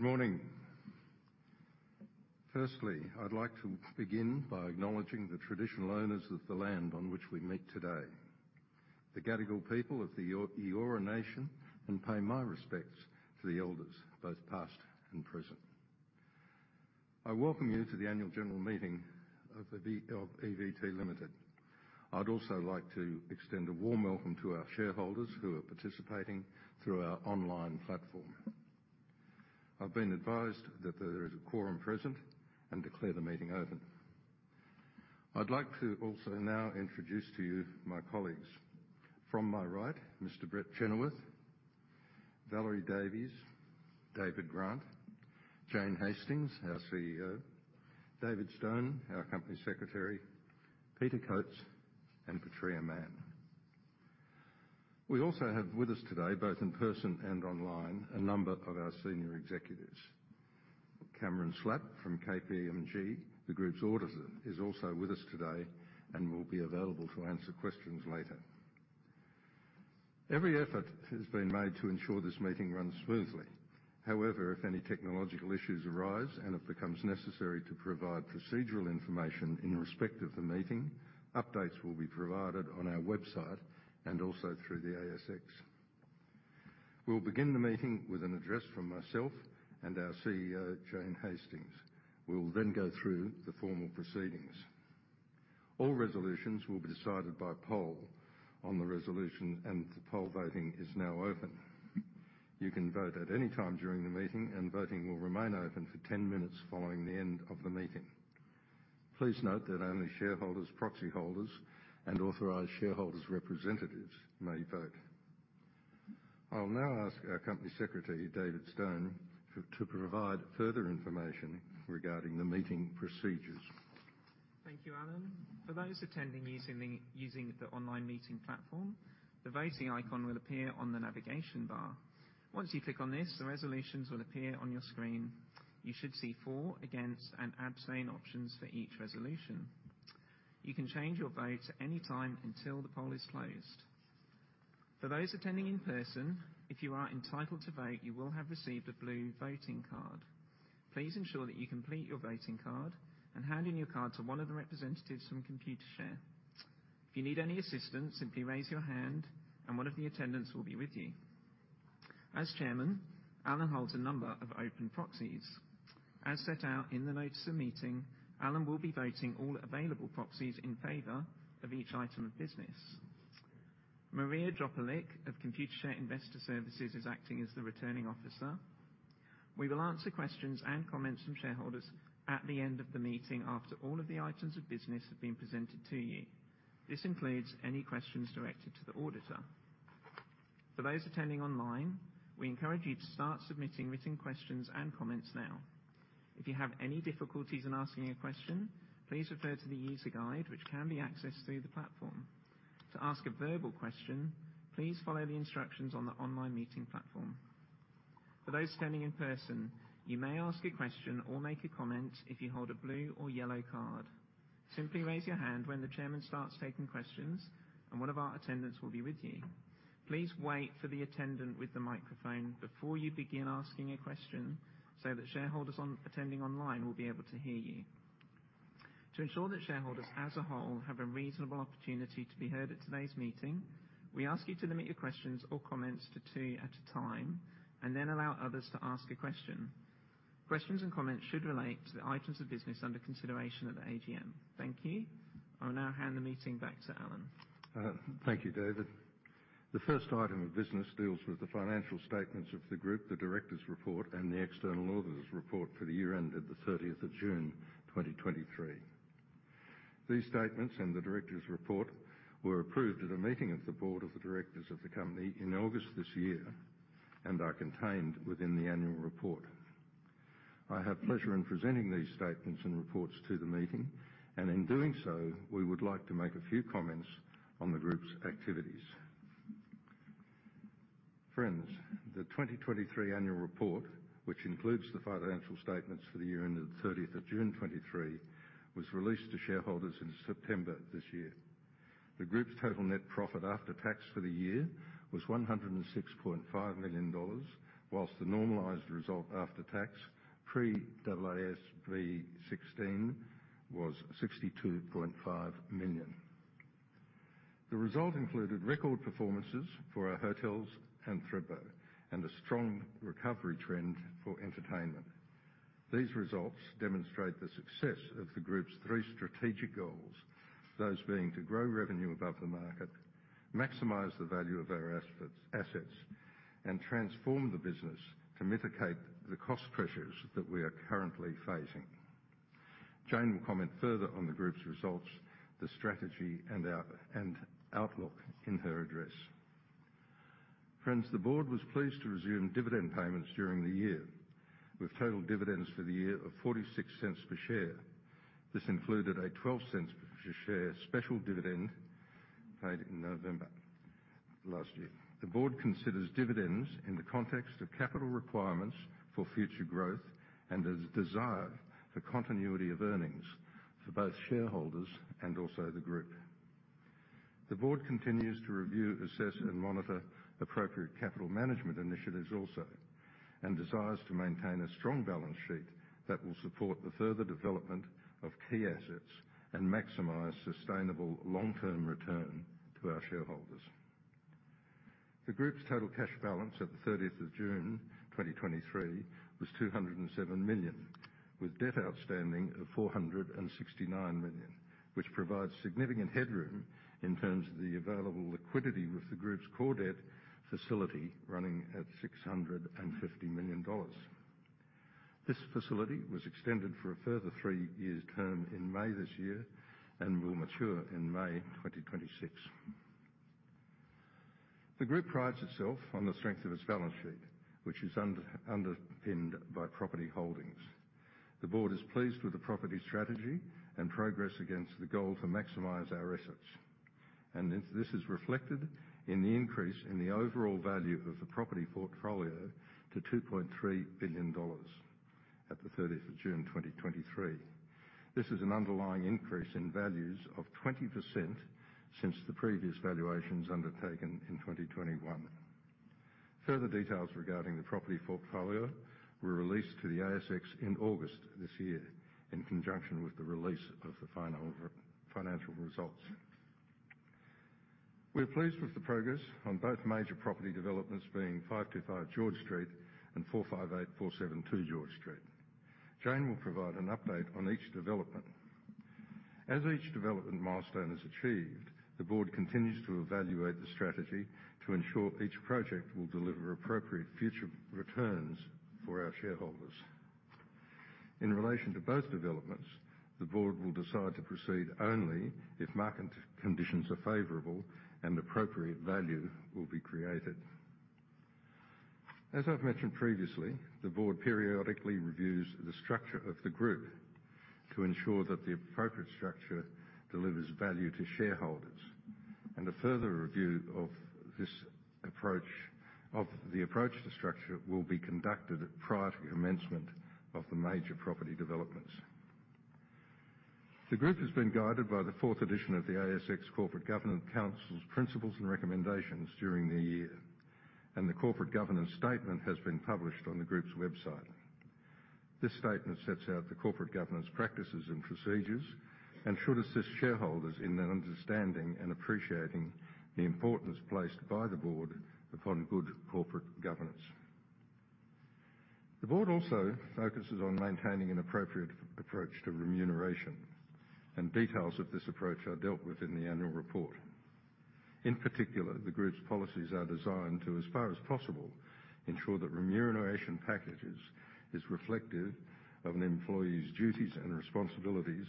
Good morning. Firstly, I'd like to begin by acknowledging the traditional owners of the land on which we meet today, the Gadigal people of the Eora Nation, and pay my respects to the elders, both past and present. I welcome you to the Annual General Meeting of the EVT Limited. I'd also like to extend a warm welcome to our shareholders who are participating through our online platform. I've been advised that there is a quorum present and declare the meeting open. I'd like to also now introduce to you my colleagues. From my right, Mr. Brett Chenoweth, Valerie Davies, David Grant, Jane Hastings, our CEO, David Stone, our Company Secretary, Peter Coates, and Patria Mann. We also have with us today, both in person and online, a number of our senior executives. Cameron Slapp from KPMG, the group's auditor, is also with us today and will be available to answer questions later. Every effort has been made to ensure this meeting runs smoothly. However, if any technological issues arise and it becomes necessary to provide procedural information in respect of the meeting, updates will be provided on our website and also through the ASX. We'll begin the meeting with an address from myself and our CEO, Jane Hastings. We will then go through the formal proceedings. All resolutions will be decided by poll on the resolution, and the poll voting is now open. You can vote at any time during the meeting, and voting will remain open for 10 minutes following the end of the meeting. Please note that only shareholders, proxy holders, and authorized shareholders' representatives may vote. I'll now ask our Company Secretary, David Stone, to provide further information regarding the meeting procedures. Thank you, Alan. For those attending using the online meeting platform, the voting icon will appear on the navigation bar. Once you click on this, the resolutions will appear on your screen. You should see for, against, and abstain options for each resolution. You can change your vote at any time until the poll is closed. For those attending in person, if you are entitled to vote, you will have received a blue voting card. Please ensure that you complete your voting card and hand in your card to one of the representatives from Computershare. If you need any assistance, simply raise your hand and one of the attendants will be with you. As Chairman, Alan holds a number of open proxies. As set out in the notice of meeting, Alan will be voting all available proxies in favor of each item of business. Maria Dropulic of Computershare Investor Services is acting as the Returning Officer. We will answer questions and comments from shareholders at the end of the meeting after all of the items of business have been presented to you. This includes any questions directed to the auditor. For those attending online, we encourage you to start submitting written questions and comments now. If you have any difficulties in asking a question, please refer to the user guide, which can be accessed through the platform. To ask a verbal question, please follow the instructions on the online meeting platform. For those attending in person, you may ask a question or make a comment if you hold a blue or yellow card. Simply raise your hand when the Chairman starts taking questions, and one of our attendants will be with you. Please wait for the attendant with the microphone before you begin asking a question, so that shareholders attending online will be able to hear you. To ensure that shareholders as a whole have a reasonable opportunity to be heard at today's meeting, we ask you to limit your questions or comments to two at a time, and then allow others to ask a question. Questions and comments should relate to the items of business under consideration at the AGM. Thank you. I'll now hand the meeting back to Alan. Thank you, David. The first item of business deals with the financial statements of the Group, the Directors' Report, and the External Auditors' Report for the year ended the 30th of June 2023. These statements and the Directors' Report were approved at a meeting of the Board of the Directors of the Company in August this year, and are contained within the Annual Report. I have pleasure in presenting these statements and reports to the meeting, and in doing so, we would like to make a few comments on the Group's activities. Friends, the 2023 Annual Report, which includes the financial statements for the year ended the 30th of June 2023, was released to shareholders in September this year. The group's total net profit after tax for the year was 106.5 million dollars, whilst the normalized result after tax, pre-AASB 16, was 62.5 million. The result included record performances for our hotels and Thredbo, and a strong recovery trend for entertainment. These results demonstrate the success of the group's three strategic goals, those being to grow revenue above the market, maximize the value of our assets, and transform the business to mitigate the cost pressures that we are currently facing. Jane will comment further on the group's results, the strategy, and outlook in her address. Friends, the Board was pleased to resume dividend payments during the year, with total dividends for the year of 0.46 per share. This included a 0.12 per share special dividend paid in November last year. The Board considers dividends in the context of capital requirements for future growth and a desire for continuity of earnings for both shareholders and also the Group. The Board continues to review, assess, and monitor appropriate capital management initiatives also, and desires to maintain a strong balance sheet that will support the further development of key assets and maximize sustainable long-term return to our shareholders. The Group's total cash balance at the 30th of June 2023 was 207 million, with debt outstanding of 469 million, which provides significant headroom in terms of the available liquidity with the Group's core debt facility running at 650 million dollars. This facility was extended for a further three years term in May this year and will mature in May 2026. The group prides itself on the strength of its balance sheet, which is underpinned by property holdings. The board is pleased with the property strategy and progress against the goal to maximize our assets, and this is reflected in the increase in the overall value of the property portfolio to 2.3 billion dollars at the 30th of June 2023. This is an underlying increase in values of 20% since the previous valuations undertaken in 2021. Further details regarding the property portfolio were released to the ASX in August this year, in conjunction with the release of the final financial results. We are pleased with the progress on both major property developments, being 525 George Street and 458-472 George Street. Jane will provide an update on each development. As each development milestone is achieved, the board continues to evaluate the strategy to ensure each project will deliver appropriate future returns for our shareholders. In relation to both developments, the board will decide to proceed only if market conditions are favorable and appropriate value will be created. As I've mentioned previously, the board periodically reviews the structure of the group to ensure that the appropriate structure delivers value to shareholders, and a further review of this approach, of the approach to structure, will be conducted prior to the commencement of the major property developments. The group has been guided by the fourth edition of the ASX Corporate Governance Council's Principles and Recommendations during the year, and the corporate governance statement has been published on the group's website. This statement sets out the corporate governance practices and procedures and should assist shareholders in their understanding and appreciating the importance placed by the Board upon good corporate governance. The Board also focuses on maintaining an appropriate approach to remuneration, and details of this approach are dealt with in the Annual Report. In particular, the Group's policies are designed to, as far as possible, ensure that remuneration packages is reflective of an employee's duties and responsibilities,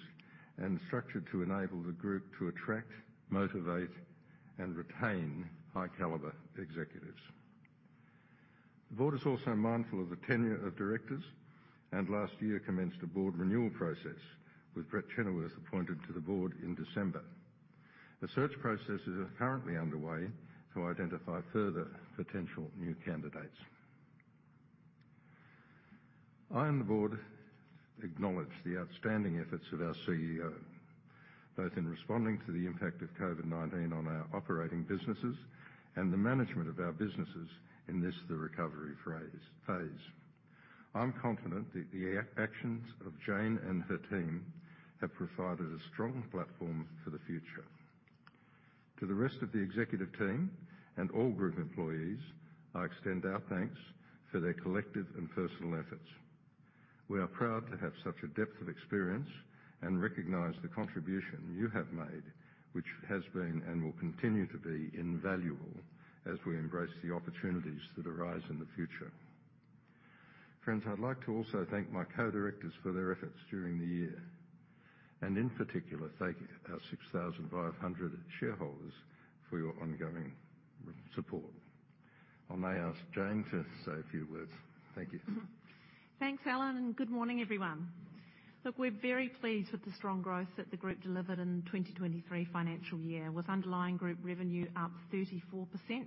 and structured to enable the Group to attract, motivate, and retain high-caliber executives. The Board is also mindful of the tenure of directors, and last year commenced a Board renewal process, with Brett Chenoweth appointed to the Board in December. A search process is currently underway to identify further potential new candidates. I and the board acknowledge the outstanding efforts of our CEO, both in responding to the impact of COVID-19 on our operating businesses and the management of our businesses, in this, the recovery phase. I'm confident that the actions of Jane and her team have provided a strong platform for the future. To the rest of the executive team and all group employees, I extend our thanks for their collective and personal efforts. We are proud to have such a depth of experience and recognize the contribution you have made, which has been and will continue to be invaluable as we embrace the opportunities that arise in the future. Friends, I'd like to also thank my co-directors for their efforts during the year, and in particular, thank our 6,500 shareholders for your ongoing support. I may ask Jane to say a few words. Thank you. Thanks, Alan, and good morning, everyone. Look, we're very pleased with the strong growth that the group delivered in the 2023 financial year, with underlying group revenue up 34%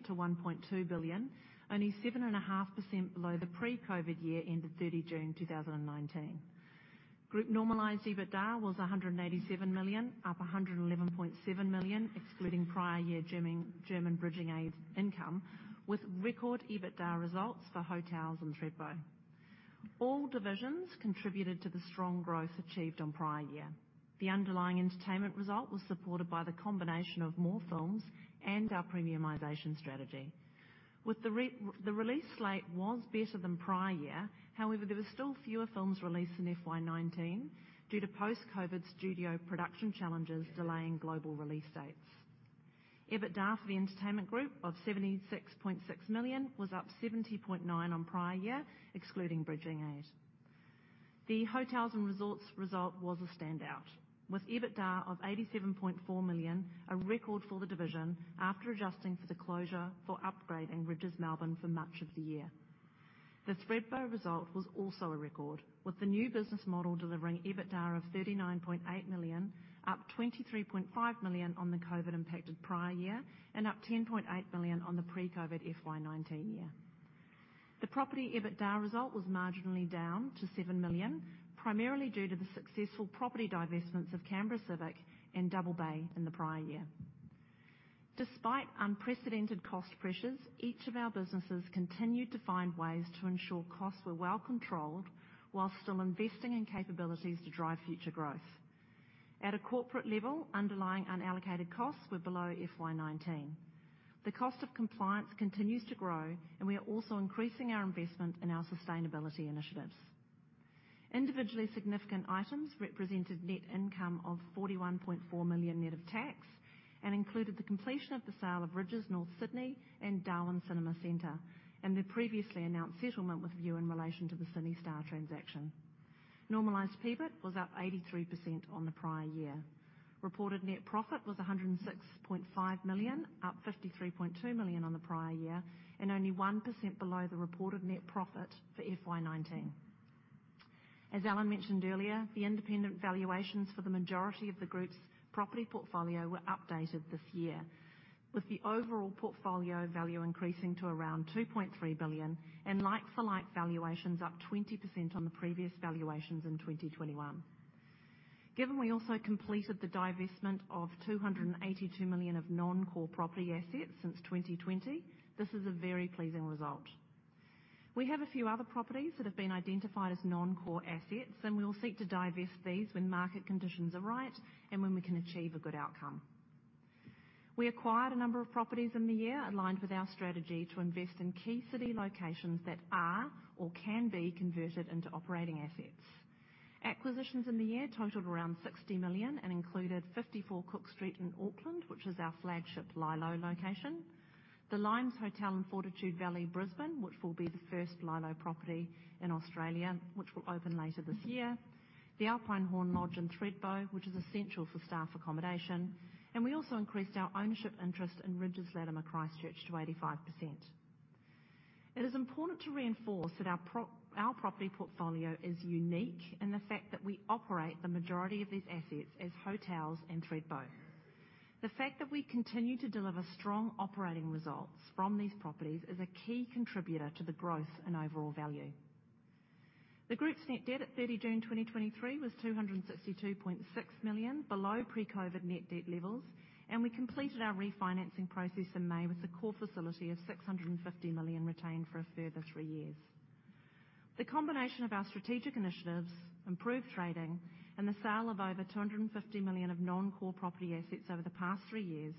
to 1.2 billion, only 7.5% below the pre-COVID year, ended 30 June 2019. Group normalized EBITDA was 187 million, up 111.7 million, excluding prior year German bridging aid income, with record EBITDA results for hotels and Thredbo. All divisions contributed to the strong growth achieved on prior year. The underlying entertainment result was supported by the combination of more films and our premiumization strategy. The release slate was better than prior year. However, there were still fewer films released in FY 2019 due to post-COVID studio production challenges delaying global release dates. EBITDA for the entertainment group of 76.6 million was up 70.9 on prior year, excluding bridging aid. The hotels and resorts result was a standout, with EBITDA of 87.4 million, a record for the division, after adjusting for the closure for upgrading Rydges Melbourne for much of the year. The Thredbo result was also a record, with the new business model delivering EBITDA of 39.8 million, up 23.5 million on the COVID-impacted prior year, and up 10.8 million on the pre-COVID FY 2019 year. The property EBITDA result was marginally down to 7 million, primarily due to the successful property divestments of Canberra Civic and Double Bay in the prior year. Despite unprecedented cost pressures, each of our businesses continued to find ways to ensure costs were well controlled, while still investing in capabilities to drive future growth. At a corporate level, underlying unallocated costs were below FY 2019. The cost of compliance continues to grow, and we are also increasing our investment in our sustainability initiatives. Individually significant items represented net income of 41.4 million net of tax, and included the completion of the sale of Rydges North Sydney and Darwin Cinema Centre, and the previously announced settlement with Vue in relation to the CineStar transaction. Normalized PBIT was up 83% on the prior year. Reported net profit was 106.5 million, up 53.2 million on the prior year, and only 1% below the reported net profit for FY 2019. As Alan mentioned earlier, the independent valuations for the majority of the group's property portfolio were updated this year, with the overall portfolio value increasing to around $2.3 billion and like-for-like valuations up 20% on the previous valuations in 2021. Given we also completed the divestment of $282 million of non-core property assets since 2020, this is a very pleasing result. We have a few other properties that have been identified as non-core assets and we will seek to divest these when market conditions are right and when we can achieve a good outcome. We acquired a number of properties in the year aligned with our strategy to invest in key city locations that are or can be converted into operating assets. Acquisitions in the year totaled around 60 million and included 54 Cook Street in Auckland, which is our flagship LyLo location, the Limes Hotel in Fortitude Valley, Brisbane, which will be the first LyLo property in Australia, which will open later this year. The Alpenhorn Lodge in Thredbo, which is essential for staff accommodation, and we also increased our ownership interest in Rydges Latimer, Christchurch to 85%. It is important to reinforce that our property portfolio is unique in the fact that we operate the majority of these assets as hotels and Thredbo. The fact that we continue to deliver strong operating results from these properties is a key contributor to the growth and overall value. The group's net debt at 30 June 2023 was 262.6 million, below pre-COVID net debt levels, and we completed our refinancing process in May with a core facility of 650 million retained for a further three years. The combination of our strategic initiatives, improved trading, and the sale of over 250 million of non-core property assets over the past three years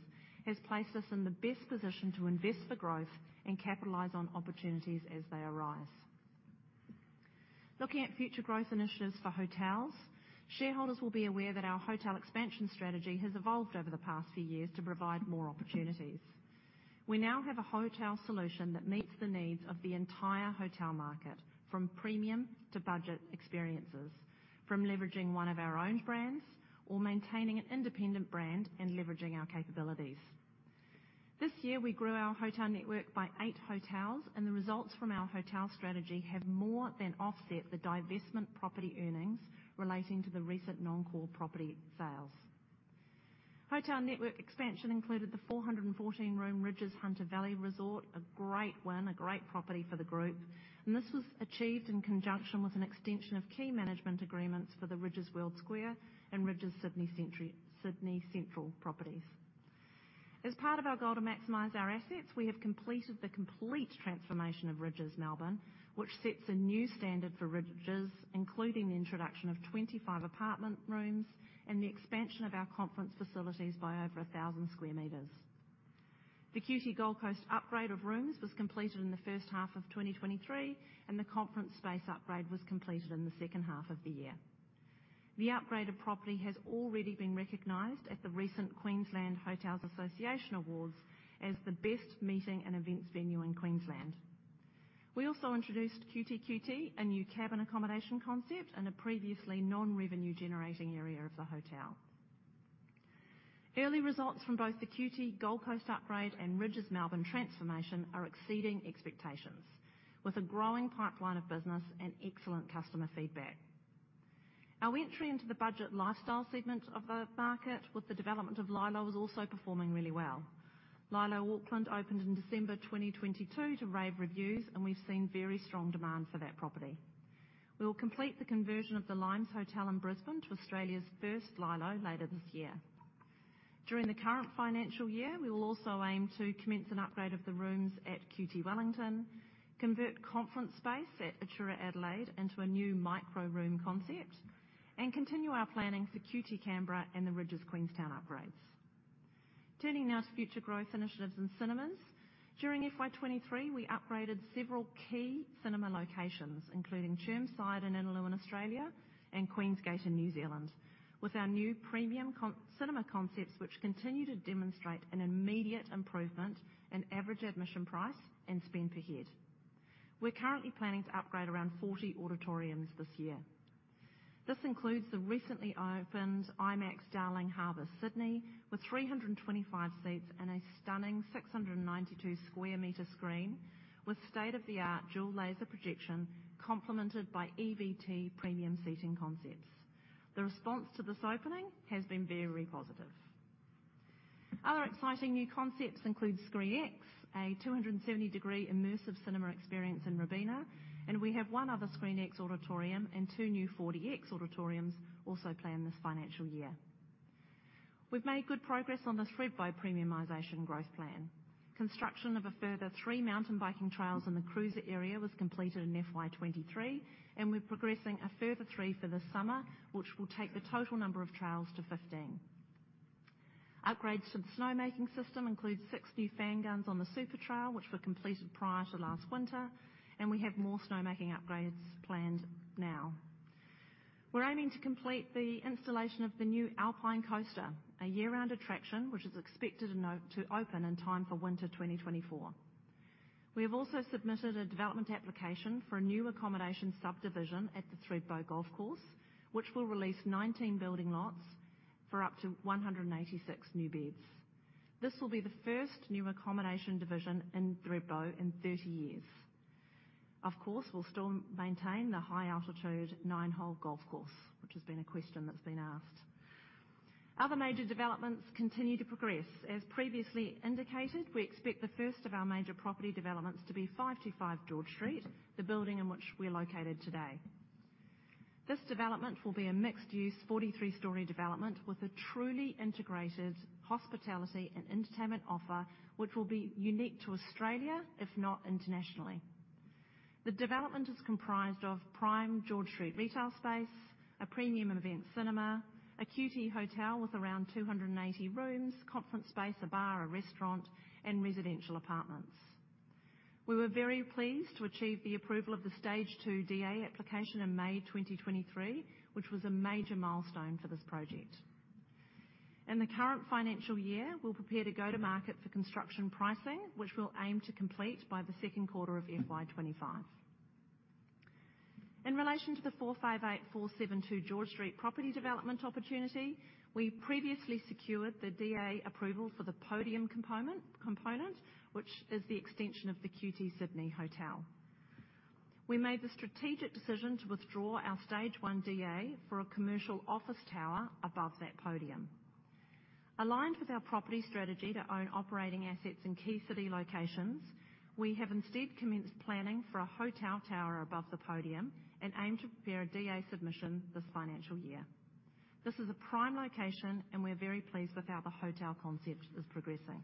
has placed us in the best position to invest for growth and capitalize on opportunities as they arise. Looking at future growth initiatives for hotels, shareholders will be aware that our hotel expansion strategy has evolved over the past few years to provide more opportunities. We now have a hotel solution that meets the needs of the entire hotel market, from premium to budget experiences, from leveraging one of our own brands, or maintaining an independent brand and leveraging our capabilities. This year, we grew our hotel network by eight hotels, and the results from our hotel strategy have more than offset the divestment property earnings relating to the recent non-core property sales. Hotel network expansion included the 414-room Rydges Hunter Valley Resort, a great win, a great property for the group, and this was achieved in conjunction with an extension of key management agreements for the Rydges World Square and Rydges Sydney Central properties. As part of our goal to maximize our assets, we have completed the complete transformation of Rydges Melbourne, which sets a new standard for Rydges, including the introduction of 25 apartment rooms and the expansion of our conference facilities by over 1,000 sq m. The QT Gold Coast upgrade of rooms was completed in the first half of 2023, and the conference space upgrade was completed in the second half of the year. The upgraded property has already been recognized at the recent Queensland Hotels Association Awards as the best meeting and events venue in Queensland. We also introduced qtQT, a new cabin accommodation concept in a previously non-revenue generating area of the hotel. Early results from both the QT Gold Coast upgrade and Rydges Melbourne transformation are exceeding expectations, with a growing pipeline of business and excellent customer feedback. Our entry into the budget lifestyle segment of the market with the development of LyLo is also performing really well. LyLo Auckland opened in December 2022 to rave reviews, and we've seen very strong demand for that property. We will complete the conversion of the Limes Hotel in Brisbane to Australia's first LyLo later this year. During the current financial year, we will also aim to commence an upgrade of the rooms at QT Wellington, convert conference space at Atura Adelaide into a new micro room concept, and continue our planning for QT Canberra and the Rydges Queenstown upgrades. Turning now to future growth initiatives in cinemas. During FY 2023, we upgraded several key cinema locations, including Chermside and Innaloo in Australia and Queensgate in New Zealand, with our new premium cinema concepts, which continue to demonstrate an immediate improvement in average admission price and spend per head. We're currently planning to upgrade around 40 auditoriums this year. This includes the recently opened IMAX Darling Harbour, Sydney, with 325 seats and a stunning 692 sq m screen, with state-of-the-art dual laser projection, complemented by EVT premium seating concepts. The response to this opening has been very positive. Other exciting new concepts include ScreenX, a 270-degree immersive cinema experience in Robina, and we have one other ScreenX auditorium and two new 4DX auditoriums also planned this financial year. We've made good progress on the Thredbo premiumization growth plan. Construction of a further three mountain biking trails in the Cruiser area was completed in FY 2023, and we're progressing a further three for the summer, which will take the total number of trails to 15. Upgrades to the snowmaking system include six new fan guns on the Super Trail, which were completed prior to last winter, and we have more snowmaking upgrades planned now. We're aiming to complete the installation of the new Alpine Coaster, a year-round attraction, which is expected to open in time for winter 2024. We have also submitted a development application for a new accommodation subdivision at the Thredbo Golf Course, which will release 19 building lots for up to 186 new beds. This will be the first new accommodation division in Thredbo in 30 years. Of course, we'll still maintain the high-altitude nine-hole golf course, which has been a question that's been asked. Other major developments continue to progress. As previously indicated, we expect the first of our major property developments to be 525 George Street, the building in which we're located today. This development will be a mixed-use 43-story development with a truly integrated hospitality and entertainment offer, which will be unique to Australia, if not internationally. The development is comprised of prime George Street retail space, a premium Event Cinema, a QT Hotel with around 280 rooms, conference space, a bar, a restaurant, and residential apartments. We were very pleased to achieve the approval of the Stage 2 D.A. application in May 2023, which was a major milestone for this project. In the current financial year, we'll prepare to go to market for construction pricing, which we'll aim to complete by the second quarter of FY 2025. In relation to the 458-472 George Street property development opportunity, we previously secured the D.A. approval for the podium component, which is the extension of the QT Sydney Hotel. We made the strategic decision to withdraw our Stage one D.A. for a commercial office tower above that podium. Aligned with our property strategy to own operating assets in key city locations, we have instead commenced planning for a hotel tower above the podium and aim to prepare a D.A. submission this financial year. This is a prime location, and we're very pleased with how the hotel concept is progressing.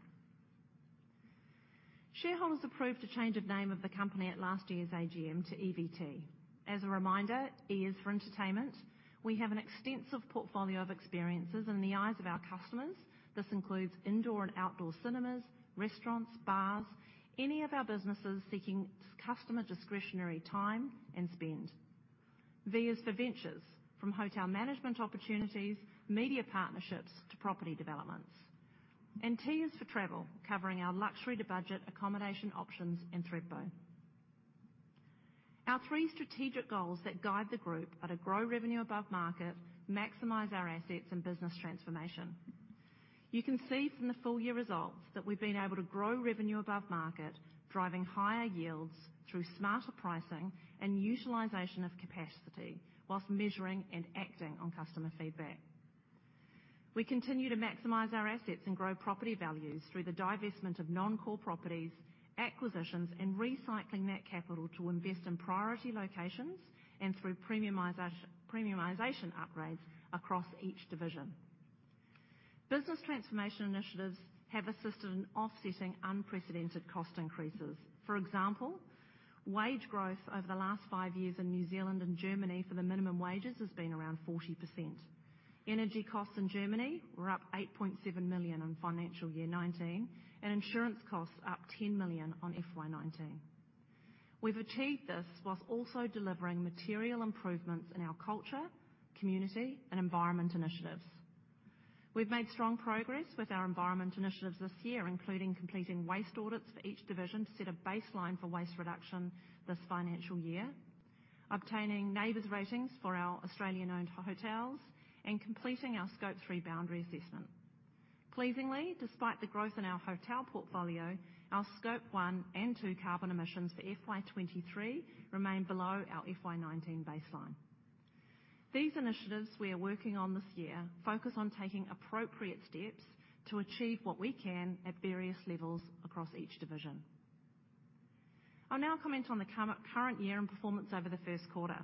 Shareholders approved a change of name of the company at last year's AGM to EVT. As a reminder, E is for entertainment. We have an extensive portfolio of experiences in the eyes of our customers. This includes indoor and outdoor cinemas, restaurants, bars, any of our businesses seeking customer discretionary time and spend. V is for ventures, from hotel management opportunities, media partnerships, to property developments. T is for travel, covering our luxury to budget accommodation options in Thredbo. Our three strategic goals that guide the group are to grow revenue above market, maximize our assets, and business transformation. You can see from the full year results that we've been able to grow revenue above market, driving higher yields through smarter pricing and utilization of capacity, whilst measuring and acting on customer feedback. We continue to maximize our assets and grow property values through the divestment of non-core properties, acquisitions, and recycling that capital to invest in priority locations and through premiumization upgrades across each division. Business transformation initiatives have assisted in offsetting unprecedented cost increases. For example, wage growth over the last five years in New Zealand and Germany for the minimum wages has been around 40%. Energy costs in Germany were up 8.7 million in financial year 2019, and insurance costs up 10 million on FY 2019. We've achieved this whilst also delivering material improvements in our culture, community, and environment initiatives. We've made strong progress with our environment initiatives this year, including completing waste audits for each division to set a baseline for waste reduction this financial year, obtaining NABERS ratings for our Australian-owned hotels, and completing our Scope 3 boundary assessment. Pleasingly, despite the growth in our hotel portfolio, our Scope 1 and 2 carbon emissions for FY 2023 remain below our FY 2019 baseline. These initiatives we are working on this year focus on taking appropriate steps to achieve what we can at various levels across each division. I'll now comment on the current year and performance over the first quarter.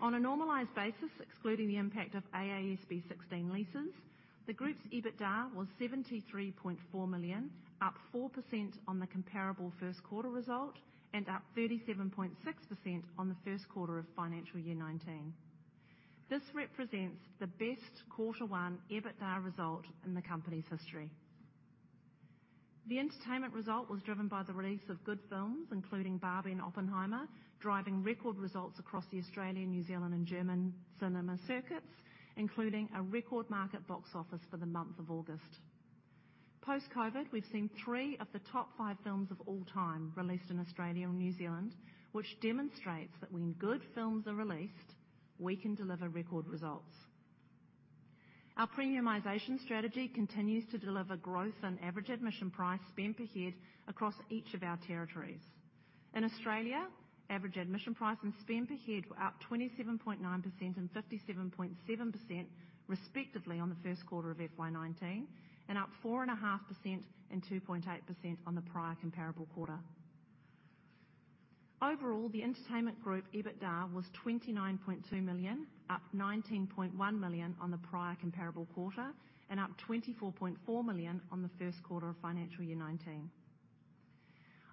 On a normalized basis, excluding the impact of AASB 16 leases, the group's EBITDA was 73.4 million, up 4% on the comparable first quarter result and up 37.6% on the first quarter of financial year 2019. This represents the best quarter one EBITDA result in the company's history. The entertainment result was driven by the release of good films, including Barbie and Oppenheimer, driving record results across the Australian, New Zealand, and German cinema circuits, including a record market box office for the month of August. Post-COVID, we've seen three of the top five films of all time released in Australia and New Zealand, which demonstrates that when good films are released, we can deliver record results. Our premiumization strategy continues to deliver growth and average admission price spend per head across each of our territories. In Australia, average admission price and spend per head were up 27.9% and 57.7%, respectively, on the first quarter of FY 2019, and up 4.5% and 2.8% on the prior comparable quarter. Overall, the Entertainment Group EBITDA was 29.2 million, up 19.1 million on the prior comparable quarter, and up 24.4 million on the first quarter of financial year 2019.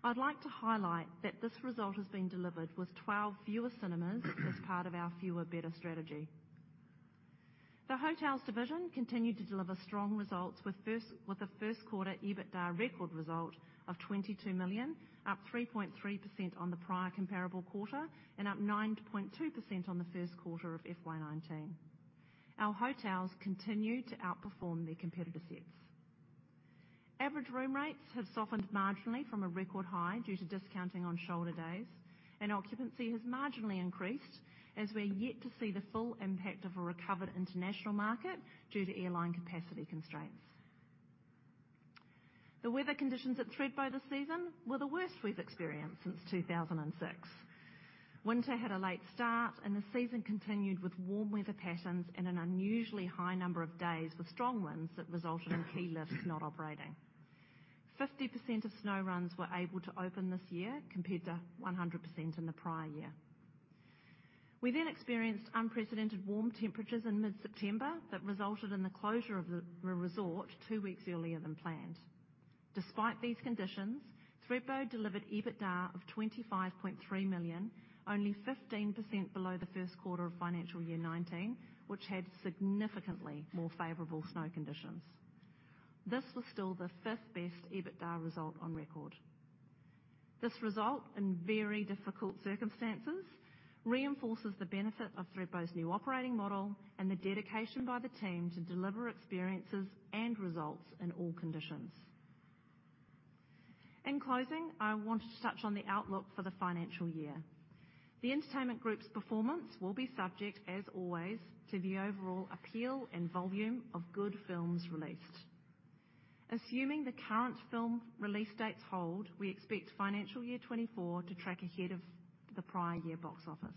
I'd like to highlight that this result has been delivered with 12 fewer cinemas as part of our fewer, better strategy. The Hotels division continued to deliver strong results with a first quarter EBITDA record result of 22 million, up 3.3% on the prior comparable quarter, and up 9.2% on the first quarter of FY 2019. Our hotels continue to outperform their competitor sets. Average room rates have softened marginally from a record high due to discounting on shoulder days, and occupancy has marginally increased, as we're yet to see the full impact of a recovered international market due to airline capacity constraints. The weather conditions at Thredbo this season were the worst we've experienced since 2006. Winter had a late start, and the season continued with warm weather patterns and an unusually high number of days with strong winds that resulted in ski lifts not operating. 50% of snow runs were able to open this year, compared to 100% in the prior year. We then experienced unprecedented warm temperatures in mid-September that resulted in the closure of the resort two weeks earlier than planned. Despite these conditions, Thredbo delivered EBITDA of 25.3 million, only 15% below the first quarter of financial year 2019, which had significantly more favorable snow conditions. This was still the fifth-best EBITDA result on record. This result, in very difficult circumstances, reinforces the benefit of Thredbo's new operating model and the dedication by the team to deliver experiences and results in all conditions. In closing, I want to touch on the outlook for the financial year. The Entertainment Group's performance will be subject, as always, to the overall appeal and volume of good films released. Assuming the current film release dates hold, we expect financial year 2024 to track ahead of the prior year box office.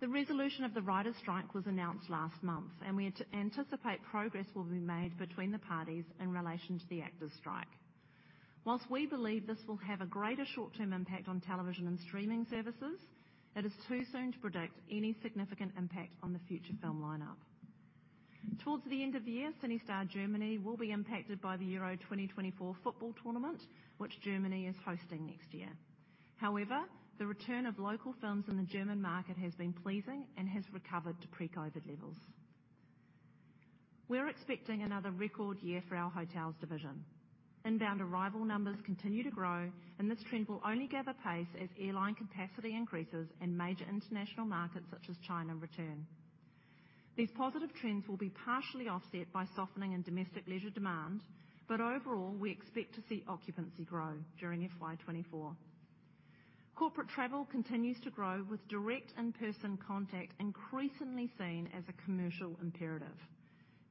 The resolution of the writers' strike was announced last month, and we anticipate progress will be made between the parties in relation to the actors' strike. Whilst we believe this will have a greater short-term impact on television and streaming services, it is too soon to predict any significant impact on the future film lineup. Towards the end of the year, CineStar Germany will be impacted by the Euro 2024 football tournament, which Germany is hosting next year. However, the return of local films in the German market has been pleasing and has recovered to pre-COVID levels. We're expecting another record year for our hotels division. Inbound arrival numbers continue to grow, and this trend will only gather pace as airline capacity increases in major international markets, such as China, return. These positive trends will be partially offset by softening in domestic leisure demand, but overall, we expect to see occupancy grow during FY 2024. Corporate travel continues to grow, with direct in-person contact increasingly seen as a commercial imperative,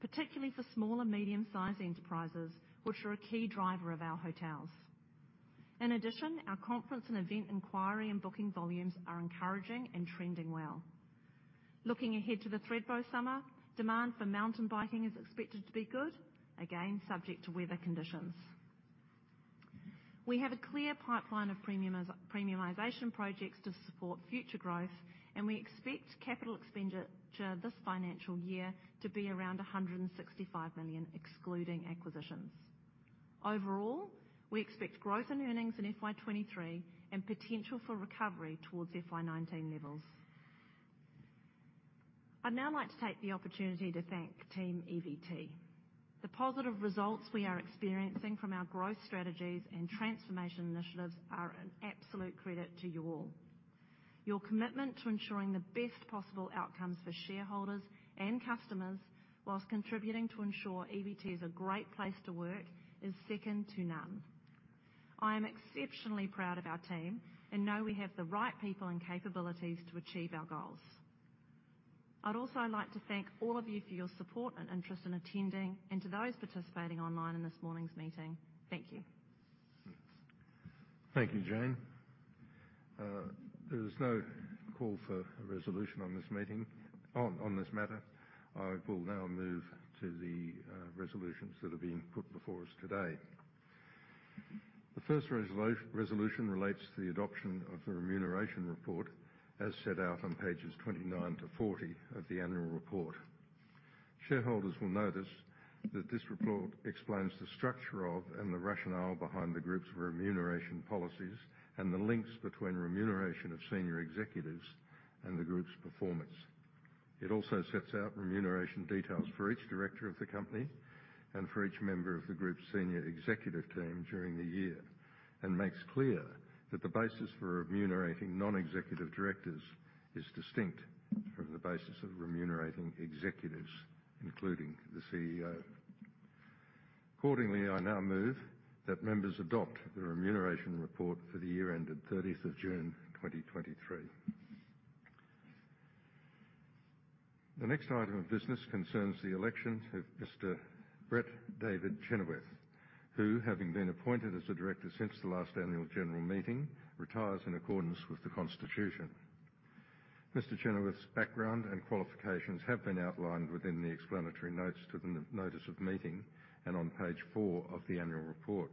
particularly for small and medium-sized enterprises, which are a key driver of our hotels. In addition, our conference and event inquiry and booking volumes are encouraging and trending well. Looking ahead to the Thredbo summer, demand for mountain biking is expected to be good, again, subject to weather conditions. We have a clear pipeline of premiumization projects to support future growth, and we expect capital expenditure this financial year to be around 165 million, excluding acquisitions. Overall, we expect growth in earnings in FY 2023 and potential for recovery towards FY 2019 levels. I'd now like to take the opportunity to thank Team EVT. The positive results we are experiencing from our growth strategies and transformation initiatives are an absolute credit to you all. Your commitment to ensuring the best possible outcomes for shareholders and customers, whilst contributing to ensure EVT is a great place to work, is second to none. I am exceptionally proud of our team and know we have the right people and capabilities to achieve our goals. I'd also like to thank all of you for your support and interest in attending, and to those participating online in this morning's meeting. Thank you. Thank you, Jane. There is no call for a resolution on this matter. I will now move to the resolutions that are being put before us today. The first resolution relates to the adoption of the Remuneration Report, as set out on pages 29-40 of the Annual Report. Shareholders will notice that this report explains the structure of, and the rationale behind, the Group's remuneration policies and the links between remuneration of senior executives and the Group's performance. It also sets out remuneration details for each Director of the Company and for each member of the Group's Senior Executive Team during the year, and makes clear that the basis for remunerating Non-Executive Directors is distinct from the basis of remunerating executives, including the CEO. Accordingly, I now move that members adopt the Remuneration Report for the year ended 30th of June, 2023. The next item of business concerns the election of Mr. Brett David Chenoweth, who, having been appointed as a Director since the last Annual General Meeting, retires in accordance with the Constitution. Mr. Chenoweth's background and qualifications have been outlined within the explanatory notes to the Notice of Meeting and on page four of the Annual Report.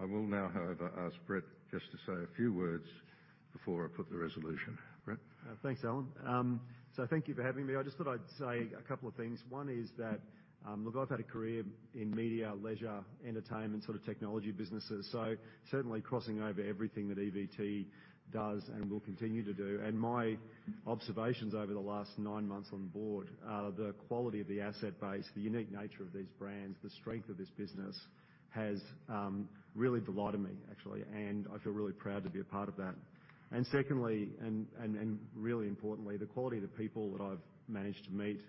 I will now, however, ask Brett just to say a few words before I put the resolution. Brett? Thanks, Alan. Thank you for having me. I just thought I'd say a couple of things. One is that, look, I've had a career in media, leisure, entertainment, sort of technology businesses, so certainly crossing over everything that EVT does and will continue to do. My observations over the last nine months on board, the quality of the asset base, the unique nature of these brands, the strength of this business has really delighted me, actually, and I feel really proud to be a part of that. Secondly, and really importantly, the quality of the people that I've managed to meet,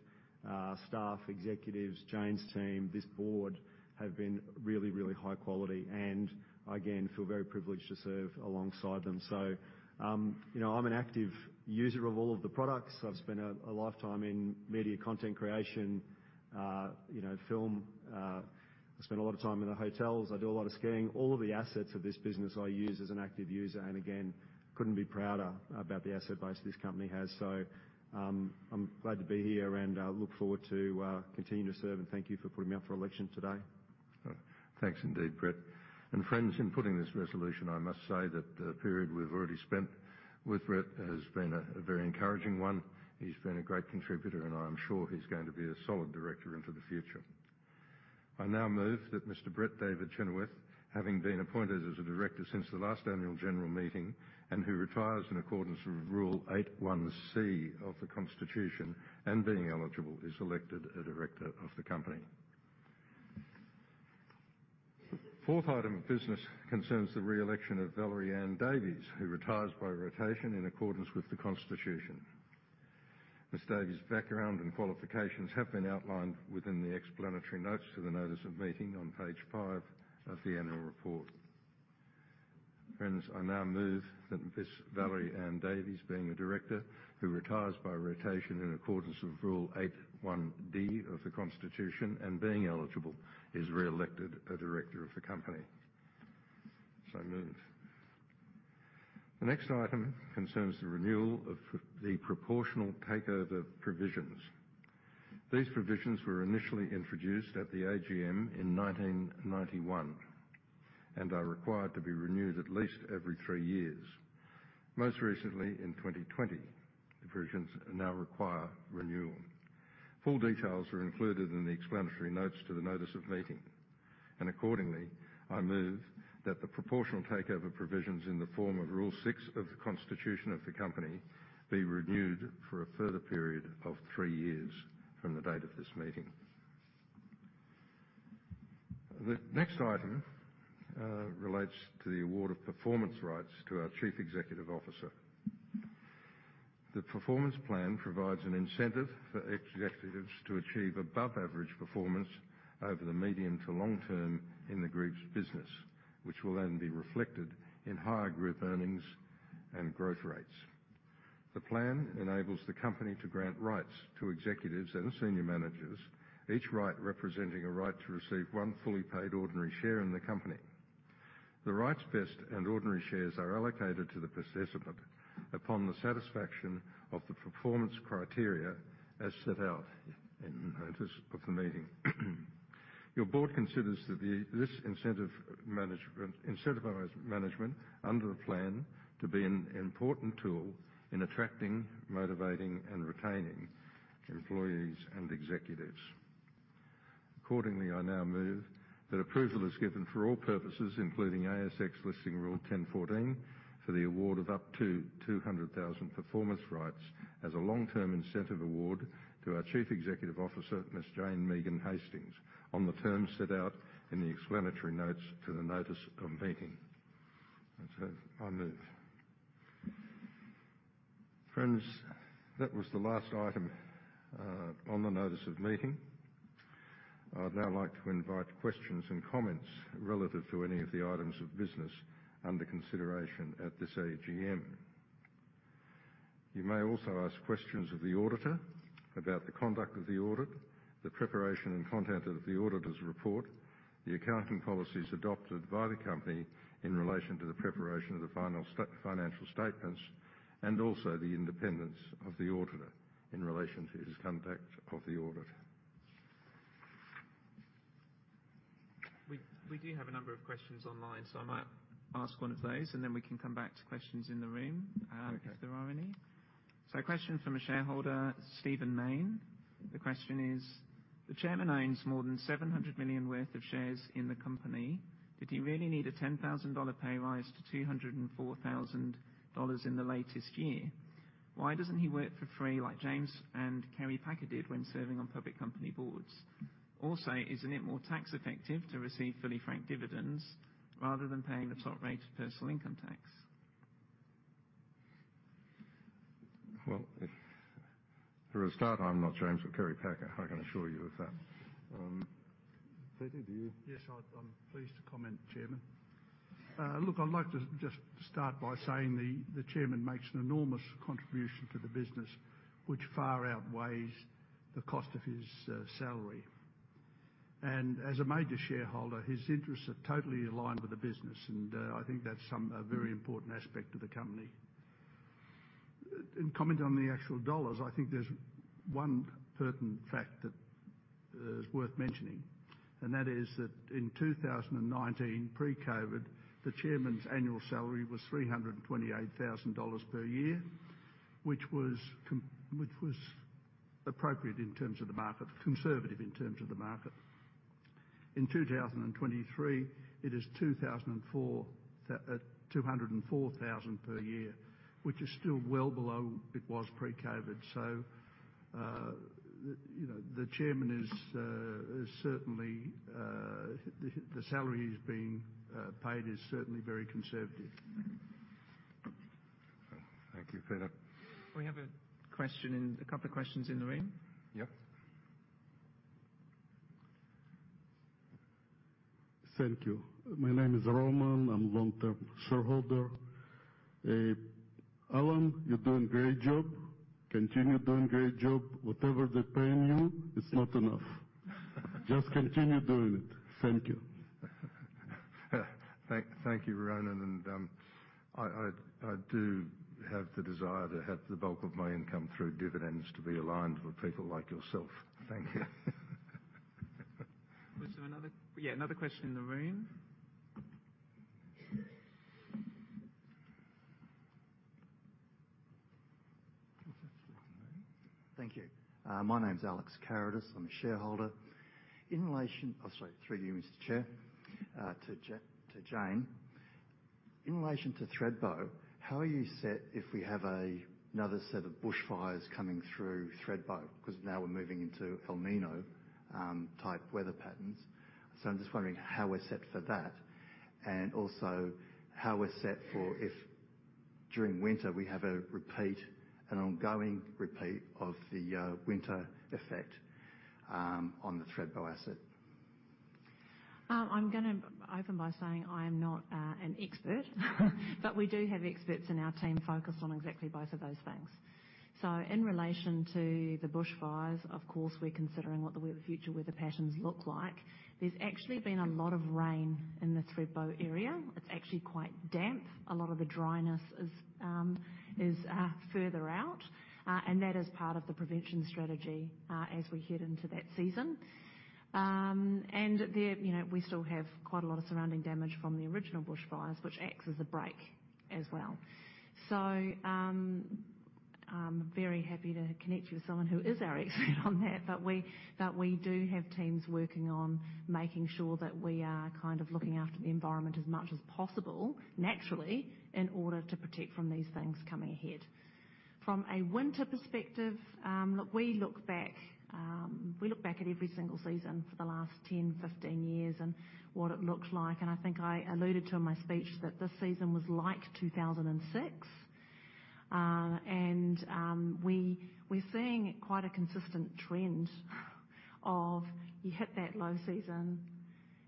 staff, executives, Jane's team, this board, have been really, really high quality, and I again feel very privileged to serve alongside them. You know, I'm an active user of all of the products. I've spent a lifetime in media, content creation, you know, film. I spent a lot of time in the hotels. I do a lot of skiing. All of the assets of this business I use as an active user, and again, couldn't be prouder about the asset base this company has. I'm glad to be here, and I look forward to continuing to serve, and thank you for putting me up for election today. Thanks indeed, Brett. Friends, in putting this resolution, I must say that the period we've already spent with Brett has been a very encouraging one. He's been a great contributor, and I am sure he's going to be a solid Director into the future. I now move that Mr. Brett David Chenoweth, having been appointed as a Director since the last Annual General Meeting, and who retires in accordance with Rule 8.1(c) of the Constitution, and being eligible, is elected a Director of the Company. Fourth item of business concerns the re-election of Valerie Anne Davies, who retires by rotation in accordance with the Constitution. Ms. Davies' background and qualifications have been outlined within the Explanatory Notes to the Notice of Meeting on page five of the Annual Report. Friends, I now move that Ms. Valerie Anne Davies, being a director who retires by rotation in accordance with Rule 8.1(d) of the Constitution, and being eligible, is re-elected a director of the company. So moved. The next item concerns the renewal of the proportional takeover provisions. These provisions were initially introduced at the AGM in 1991 and are required to be renewed at least every three years. Most recently, in 2020, the provisions now require renewal. Full details are included in the explanatory notes to the notice of meeting. Accordingly, I move that the proportional takeover provisions in the form of Rule six of the Constitution of the company, be renewed for a further period of three years from the date of this meeting. The next item relates to the award of performance rights to our Chief Executive Officer. The performance plan provides an incentive for executives to achieve above-average performance over the medium- to long-term in the Group's business, which will then be reflected in higher Group earnings and growth rates. The plan enables the Company to grant rights to executives and senior managers, each right representing a right to receive one fully paid ordinary share in the Company. The rights vest and ordinary shares are allocated to the participant upon the satisfaction of the performance criteria as set out in the Notice of Meeting. Your Board considers that incentivized management under a plan to be an important tool in attracting, motivating, and retaining employees and executives. Accordingly, I now move that approval is given for all purposes, including ASX Listing Rule 10.14, for the award of up to 200,000 performance rights as a long-term incentive award to our Chief Executive Officer, Ms. Jane Megan Hastings, on the terms set out in the explanatory notes to the notice of meeting. So I move. Friends, that was the last item on the notice of meeting. I'd now like to invite questions and comments relative to any of the items of business under consideration at this AGM. You may also ask questions of the auditor about the conduct of the audit, the preparation and content of the auditor's report, the accounting policies adopted by the company in relation to the preparation of the final financial statements, and also the independence of the auditor in relation to his conduct of the audit. We do have a number of questions online, so I might ask one of those, and then we can come back to questions in the room if there are any. A question from a shareholder, Stephen Mayne. The question is: The Chairman owns more than 700 million worth of shares in the company. Did he really need a 10 thousand dollar pay rise to 204 thousand dollars in the latest year? Why doesn't he work for free, like James and Kerry Packer did when serving on public company boards? Also, isn't it more tax effective to receive fully franked dividends rather than paying the top rate of personal income tax? Well, for a start, I'm not James or Kerry Packer. I can assure you of that. Yes, I'm pleased to comment, Chairman. Look, I'd like to just start by saying the Chairman makes an enormous contribution to the business, which far outweighs the cost of his salary. As a major shareholder, his interests are totally aligned with the business, and I think that's a very important aspect of the company. In comment on the actual dollars, I think there's one pertinent fact that is worth mentioning, and that is that in 2019, pre-COVID, the Chairman's annual salary was 328,000 dollars per year, which was appropriate in terms of the market, conservative in terms of the market. In 2023, it is 204,000 per year, which is still well below it was pre-COVID. You know, the Chairman is certainly, the salary he's being paid is certainly very conservative. Thank you, Peter. We have a question in, a couple of questions in the room. Yep. Thank you. My name is Ronan. I'm long-term shareholder. Alan, you're doing a great job. Continue doing a great job. Whatever they're paying you, it's not enough. Just continue doing it. Thank you. Thank you, Ronan. I do have the desire to have the bulk of my income through dividends to be aligned with people like yourself. Thank you. Was there another? Yeah, another question in the room? Thank you. My name's Alex Carrodus. I'm a shareholder. Oh, sorry, through to you, Mr. Chair, to Jane. In relation to Thredbo, how are you set if we have another set of bushfires coming through Thredbo? Because now we're moving into El Niño type weather patterns. I'm just wondering how we're set for that, and also how we're set for if during winter, we have a repeat, an ongoing repeat of the winter effect on the Thredbo asset. I'm gonna open by saying I am not an expert, but we do have experts in our team focused on exactly both of those things. In relation to the bushfires, of course, we're considering what the future weather patterns look like. There's actually been a lot of rain in the Thredbo area. It's actually quite damp. A lot of the dryness is further out, and that is part of the prevention strategy as we head into that season. There, you know, we still have quite a lot of surrounding damage from the original bushfires, which acts as a break as well. I'm very happy to connect you with someone who is our expert on that, but we do have teams working on making sure that we are kind of looking after the environment as much as possible, naturally, in order to protect from these things coming ahead. From a winter perspective, look, we look back at every single season for the last 10, 15 years and what it looked like, and I think I alluded to in my speech that this season was like 2006. We're seeing quite a consistent trend of you hit that low season,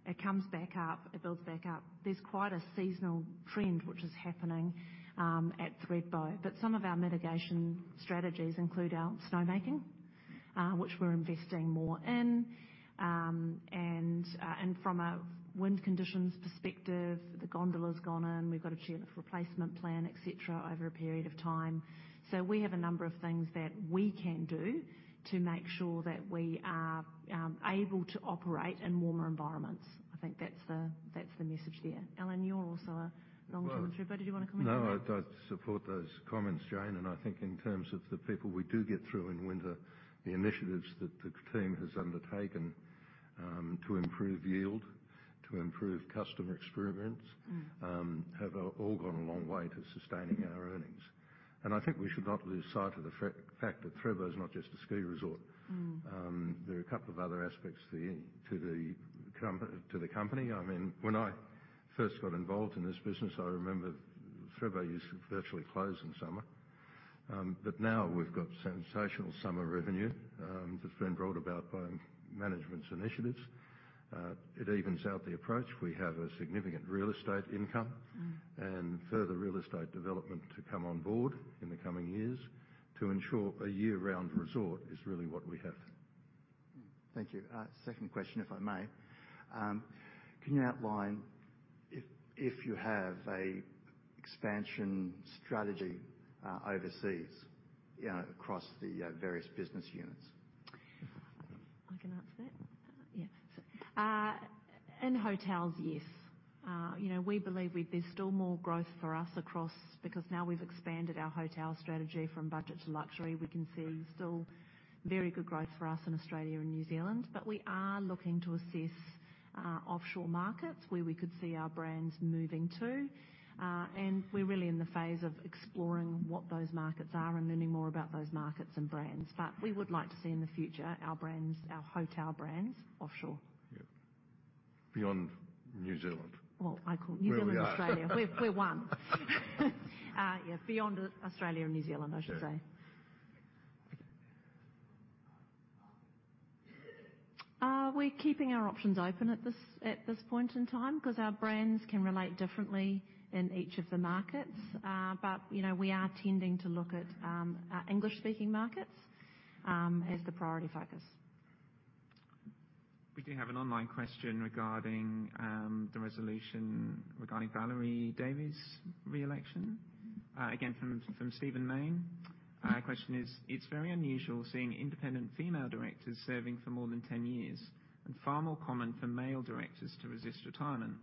it comes back up, it builds back up. There's quite a seasonal trend which is happening at Thredbo. Some of our mitigation strategies include our snowmaking, which we're investing more in. From a wind conditions perspective, the gondola's gone in. We've got a chairlift replacement plan, et cetera, over a period of time. We have a number of things that we can do to make sure that we are able to operate in warmer environments. I think that's the message there. Alan, you're also a long-term Thredbo- Well- Do you want to comment on that? No, I support those comments, Jane, and I think in terms of the people we do get through in winter, the initiatives that the team has undertaken to improve yield, to improve customer experience. Mm. Have all gone a long way to sustaining our earnings. I think we should not lose sight of the fact that Thredbo is not just a ski resort. Mm. There are a couple of other aspects to the company. I mean, when I first got involved in this business, I remember Thredbo used to virtually close in summer. Now we've got sensational summer revenue that's been brought about by management's initiatives. It evens out the approach. We have a significant real estate income. Mm Further real estate development to come on board in the coming years to ensure a year-round resort is really what we have. Thank you. Second question, if I may. Can you outline if you have a expansion strategy overseas, you know, across the various business units? I can answer that. Yeah. In hotels, yes. You know, we believe there's still more growth for us because now we've expanded our hotel strategy from budget to luxury. We can see still very good growth for us in Australia and New Zealand, but we are looking to assess offshore markets where we could see our brands moving to. We're really in the phase of exploring what those markets are and learning more about those markets and brands. We would like to see in the future our brands, our hotel brands, offshore. Yeah. Beyond New Zealand. Well, I call New Zealand Australia. Well, yeah. Yeah, beyond Australia and New Zealand, I should say. We're keeping our options open at this point in time because our brands can relate differently in each of the markets. But, you know, we are tending to look at English-speaking markets as the priority focus. We do have an online question regarding the resolution regarding Valerie Davies' re-election again from Stephen Mayne. Question is: It's very unusual seeing independent female directors serving for more than 10 years, and far more common for male directors to resist retirement.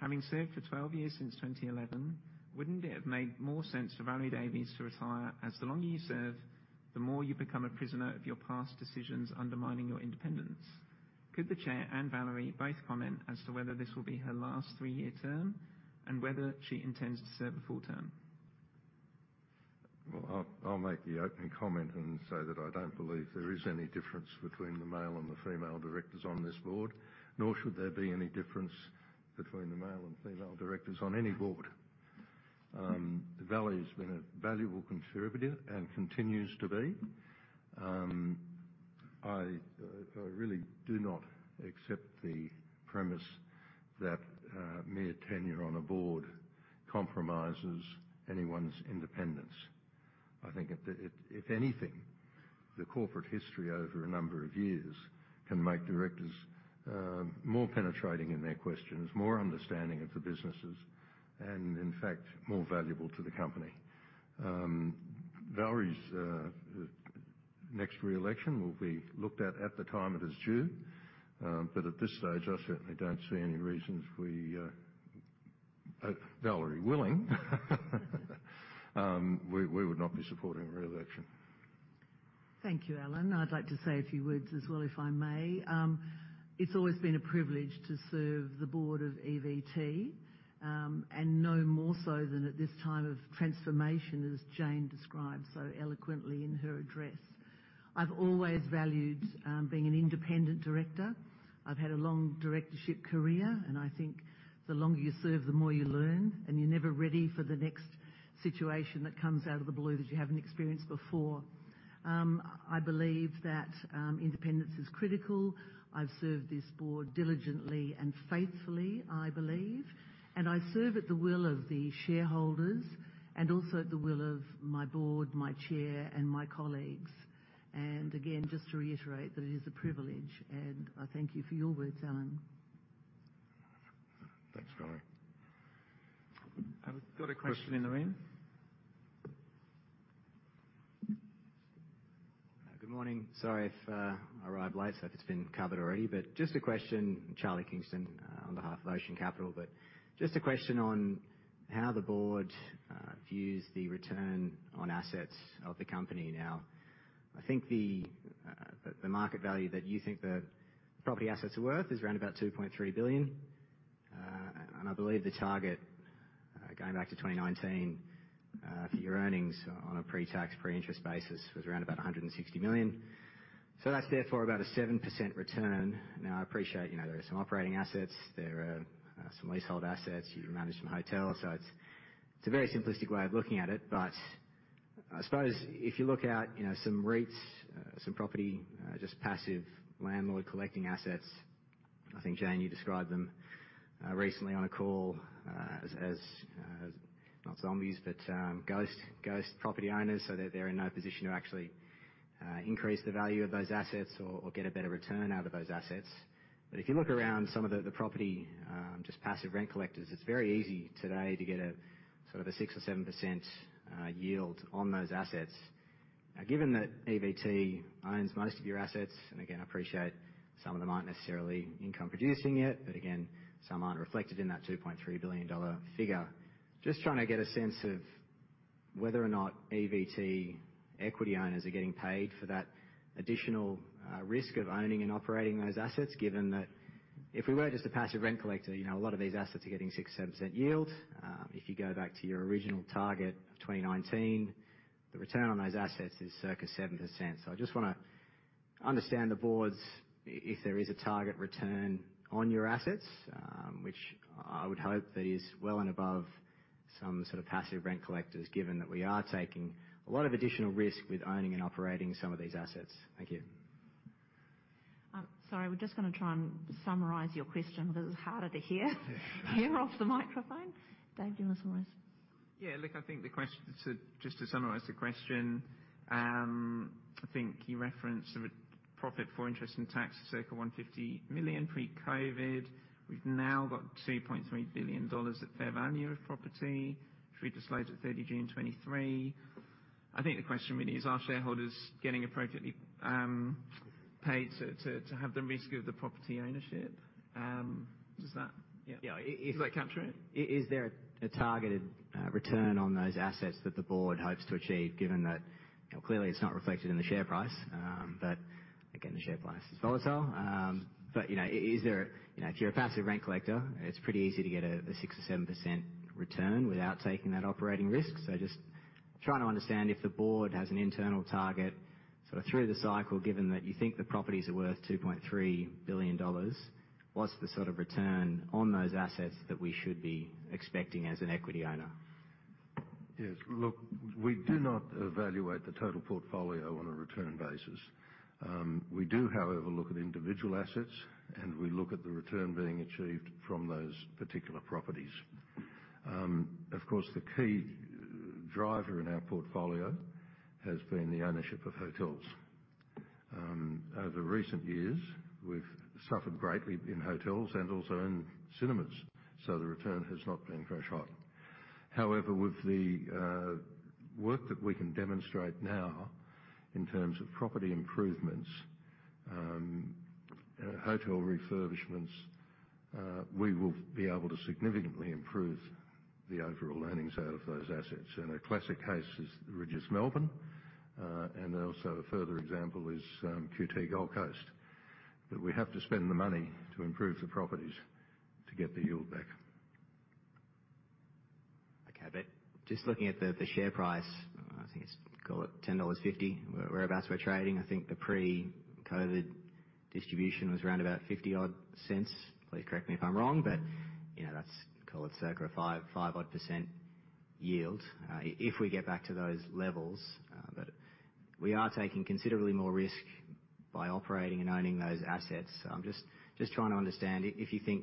Having served for 12 years since 2011, wouldn't it have made more sense for Valerie Davies to retire? As the longer you serve, the more you become a prisoner of your past decisions, undermining your independence. Could the Chair and Valerie both comment as to whether this will be her last three-year term, and whether she intends to serve a full term? Well, I'll make the opening comment and say that I don't believe there is any difference between the male and the female directors on this board, nor should there be any difference between the male and female directors on any board. Valerie's been a valuable contributor and continues to be. I really do not accept the premise that mere tenure on a board compromises anyone's independence. I think if anything, the corporate history over a number of years can make directors more penetrating in their questions, more understanding of the businesses, and in fact, more valuable to the company. Valerie's next re-election will be looked at at the time it is due. At this stage, I certainly don't see any reason if we, Valerie willing, we would not be supporting her re-election. Thank you, Alan. I'd like to say a few words as well, if I may. It's always been a privilege to serve the board of EVT, and no more so than at this time of transformation, as Jane described so eloquently in her address. I've always valued being an independent director. I've had a long directorship career, and I think the longer you serve, the more you learn, and you're never ready for the next situation that comes out of the blue that you haven't experienced before. I believe that independence is critical. I've served this board diligently and faithfully, I believe, and I serve at the will of the shareholders and also at the will of my board, my Chair, and my colleagues. Again, just to reiterate that it is a privilege, and I thank you for your words, Alan. Thanks, Valerie. I've got a question in the room. Good morning. Sorry if I arrived late, so if it's been covered already. Just a question, Charlie Kingston on behalf of Ocean Capital. Just a question on how the Board views the return on assets of the company now. I think the market value that you think the property assets are worth is around about 2.3 billion. I believe the target going back to 2019 for your earnings on a pre-tax, pre-interest basis was around about 160 million. That's therefore about a 7% return. Now, I appreciate, you know, there are some operating assets. There are some leasehold assets. You manage some hotels. It's a very simplistic way of looking at it, but I suppose if you look at, you know, some REITs, some property, just passive landlord collecting assets, I think, Jane, you described them recently on a call as not zombies, but ghost property owners. They're in no position to actually increase the value of those assets or get a better return out of those assets. If you look around some of the property, just passive rent collectors, it's very easy today to get a sort of a 6% or 7% yield on those assets. Now, given that EVT owns most of your assets, and again, I appreciate some of them aren't necessarily income producing yet, but again, some aren't reflected in that 2.3 billion dollar figure. Just trying to get a sense of whether or not EVT equity owners are getting paid for that additional risk of owning and operating those assets, given that if we were just a passive rent collector, you know, a lot of these assets are getting 6%-7% yield. If you go back to your original target of 2019, the return on those assets is circa 7%. I just wanna understand the Board's, if there is a target return on your assets, which I would hope that is well and above some sort of passive rent collectors, given that we are taking a lot of additional risk with owning and operating some of these assets. Thank you. Sorry, we're just gonna try and summarize your question because it's harder to hear off the microphone. Dave, do you want to summarize? Yeah, look, I think the question, just to summarise the question, I think you referenced profit before interest and tax circa $150 million pre-COVID. We've now got $2.3 billion at fair value of property, which we disclosed at 30 June 2023. I think the question is, are shareholders getting appropriately paid to have the risk of the property ownership? Yeah. Does that capture it? Is there a targeted return on those assets that the board hopes to achieve, given that, clearly, it's not reflected in the share price? Again, the share price is volatile. You know, if you're a passive rent collector, it's pretty easy to get a 6%-7% return without taking that operating risk. Just trying to understand if the board has an internal target, sort of through the cycle, given that you think the properties are worth 2.3 billion dollars, what's the sort of return on those assets that we should be expecting as an equity owner? Yes, look, we do not evaluate the total portfolio on a return basis. We do, however, look at individual assets, and we look at the return being achieved from those particular properties. Of course, the key driver in our portfolio has been the ownership of hotels. Over recent years, we've suffered greatly in hotels and also in cinemas, so the return has not been very hot. However, with the work that we can demonstrate now in terms of property improvements, hotel refurbishments, we will be able to significantly improve the overall earnings out of those assets. A classic case is the Rydges Melbourne, and also a further example is QT Gold Coast. We have to spend the money to improve the properties to get the yield back. Okay, just looking at the share price, I think it's, call it 10.50 dollars, whereabouts we're trading. I think the pre-COVID distribution was around about 0.50 odd. Please correct me if I'm wrong, but, you know, that's, call it circa 5% odd yield if we get back to those levels. We are taking considerably more risk by operating and owning those assets. I'm just trying to understand if you think,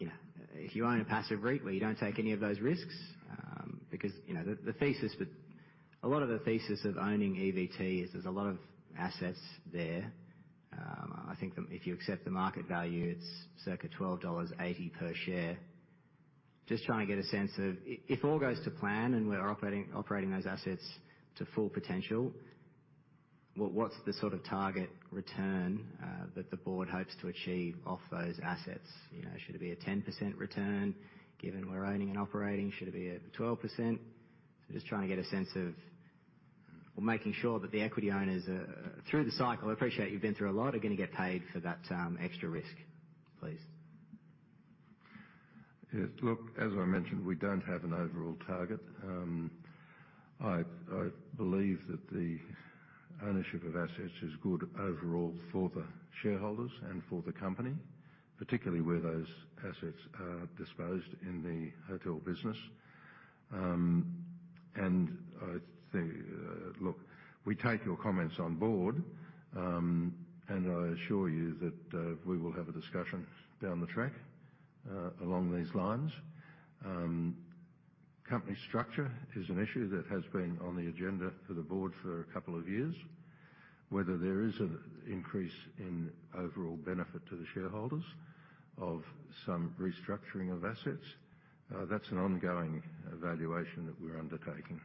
you know, if you own a passive REIT where you don't take any of those risks because, you know, a lot of the thesis of owning EVT is there's a lot of assets there. I think that if you accept the market value, it's circa 12.80 dollars per share. Just trying to get a sense of if all goes to plan and we're operating those assets to full potential, what's the sort of target return that the board hopes to achieve off those assets? You know, should it be a 10% return, given we're owning and operating? Should it be a 12%? Just trying to get a sense of, or making sure that the equity owners through the cycle, I appreciate you've been through a lot, are going to get paid for that extra risk, please. Yes. Look, as I mentioned, we don't have an overall target. I believe that the ownership of assets is good overall for the shareholders and for the company, particularly where those assets are disposed in the hotel business. I think, look, we take your comments on board, and I assure you that we will have a discussion down the track along these lines. Company structure is an issue that has been on the agenda for the board for a couple of years. Whether there is an increase in overall benefit to the shareholders of some restructuring of assets, that's an ongoing evaluation that we're undertaking,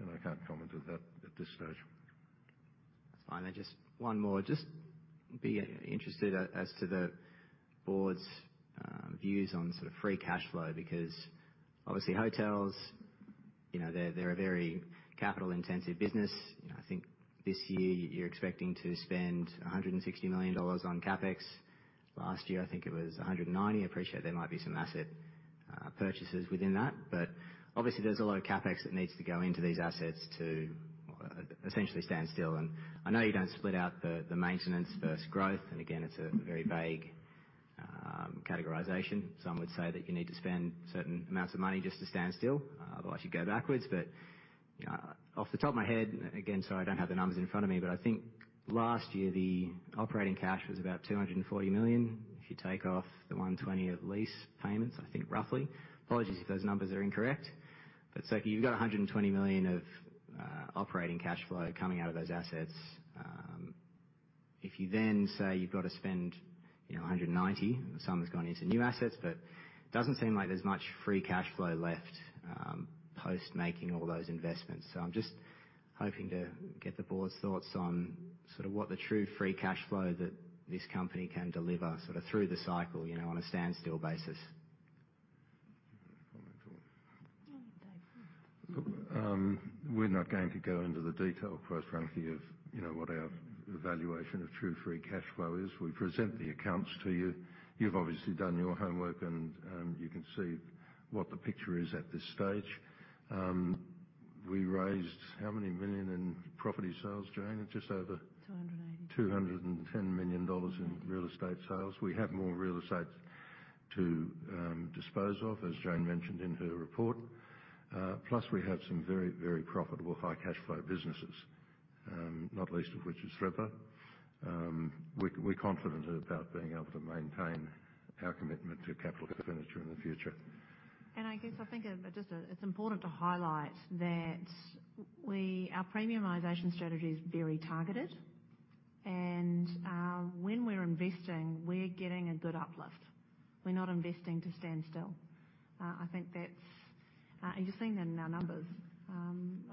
and I can't comment on that at this stage. That's fine. Just one more, just be interested as to the board's views on free cash flow because obviously hotels, you know, they're a very capital-intensive business. You know, I think this year you're expecting to spend $160 million on CapEx. Last year, I think it was $190. I appreciate there might be some asset purchases within that but obviously there's a lot of CapEx that needs to go into these assets to essentially stand still. And I know you don't split out the maintenance versus growth and again, it's a very vague categorisation. Some would say that you need to spend certain amounts of money just to stand still, otherwise you go backwards. Off the top of my head, again, sorry, I don't have the numbers in front of me, but I think last year, the operating cash was about 240 million. If you take off the 120 of lease payments, I think roughly. Apologies if those numbers are incorrect, but so you've got 120 million of operating cash flow coming out of those assets. If you then say you've got to spend, you know, 190, and some has gone into new assets, but it doesn't seem like there's much free cash flow left post making all those investments. So I'm just hoping to get the board's thoughts on sort of what the true free cash flow that this company can deliver, sort of through the cycle, you know, on a standstill basis. We're not going to go into the detail, quite frankly, of, you know, what our evaluation of true free cash flow is. We've presented the accounts to you. You've obviously done your homework, and you can see what the picture is at this stage. We raised how many million in property sales, Jane? Just over- 280. 210 million dollars in real estate sales. We have more real estate to dispose of, as Jane mentioned in her report. Plus, we have some very, very profitable high cash flow businesses, not least of which is Thredbo. We're confident about being able to maintain our commitment to capital expenditure in the future. I guess, I think, just, it's important to highlight that our premiumization strategy is very targeted, and when we're investing, we're getting a good uplift. We're not investing to stand still. I think that's, and you've seen that in our numbers.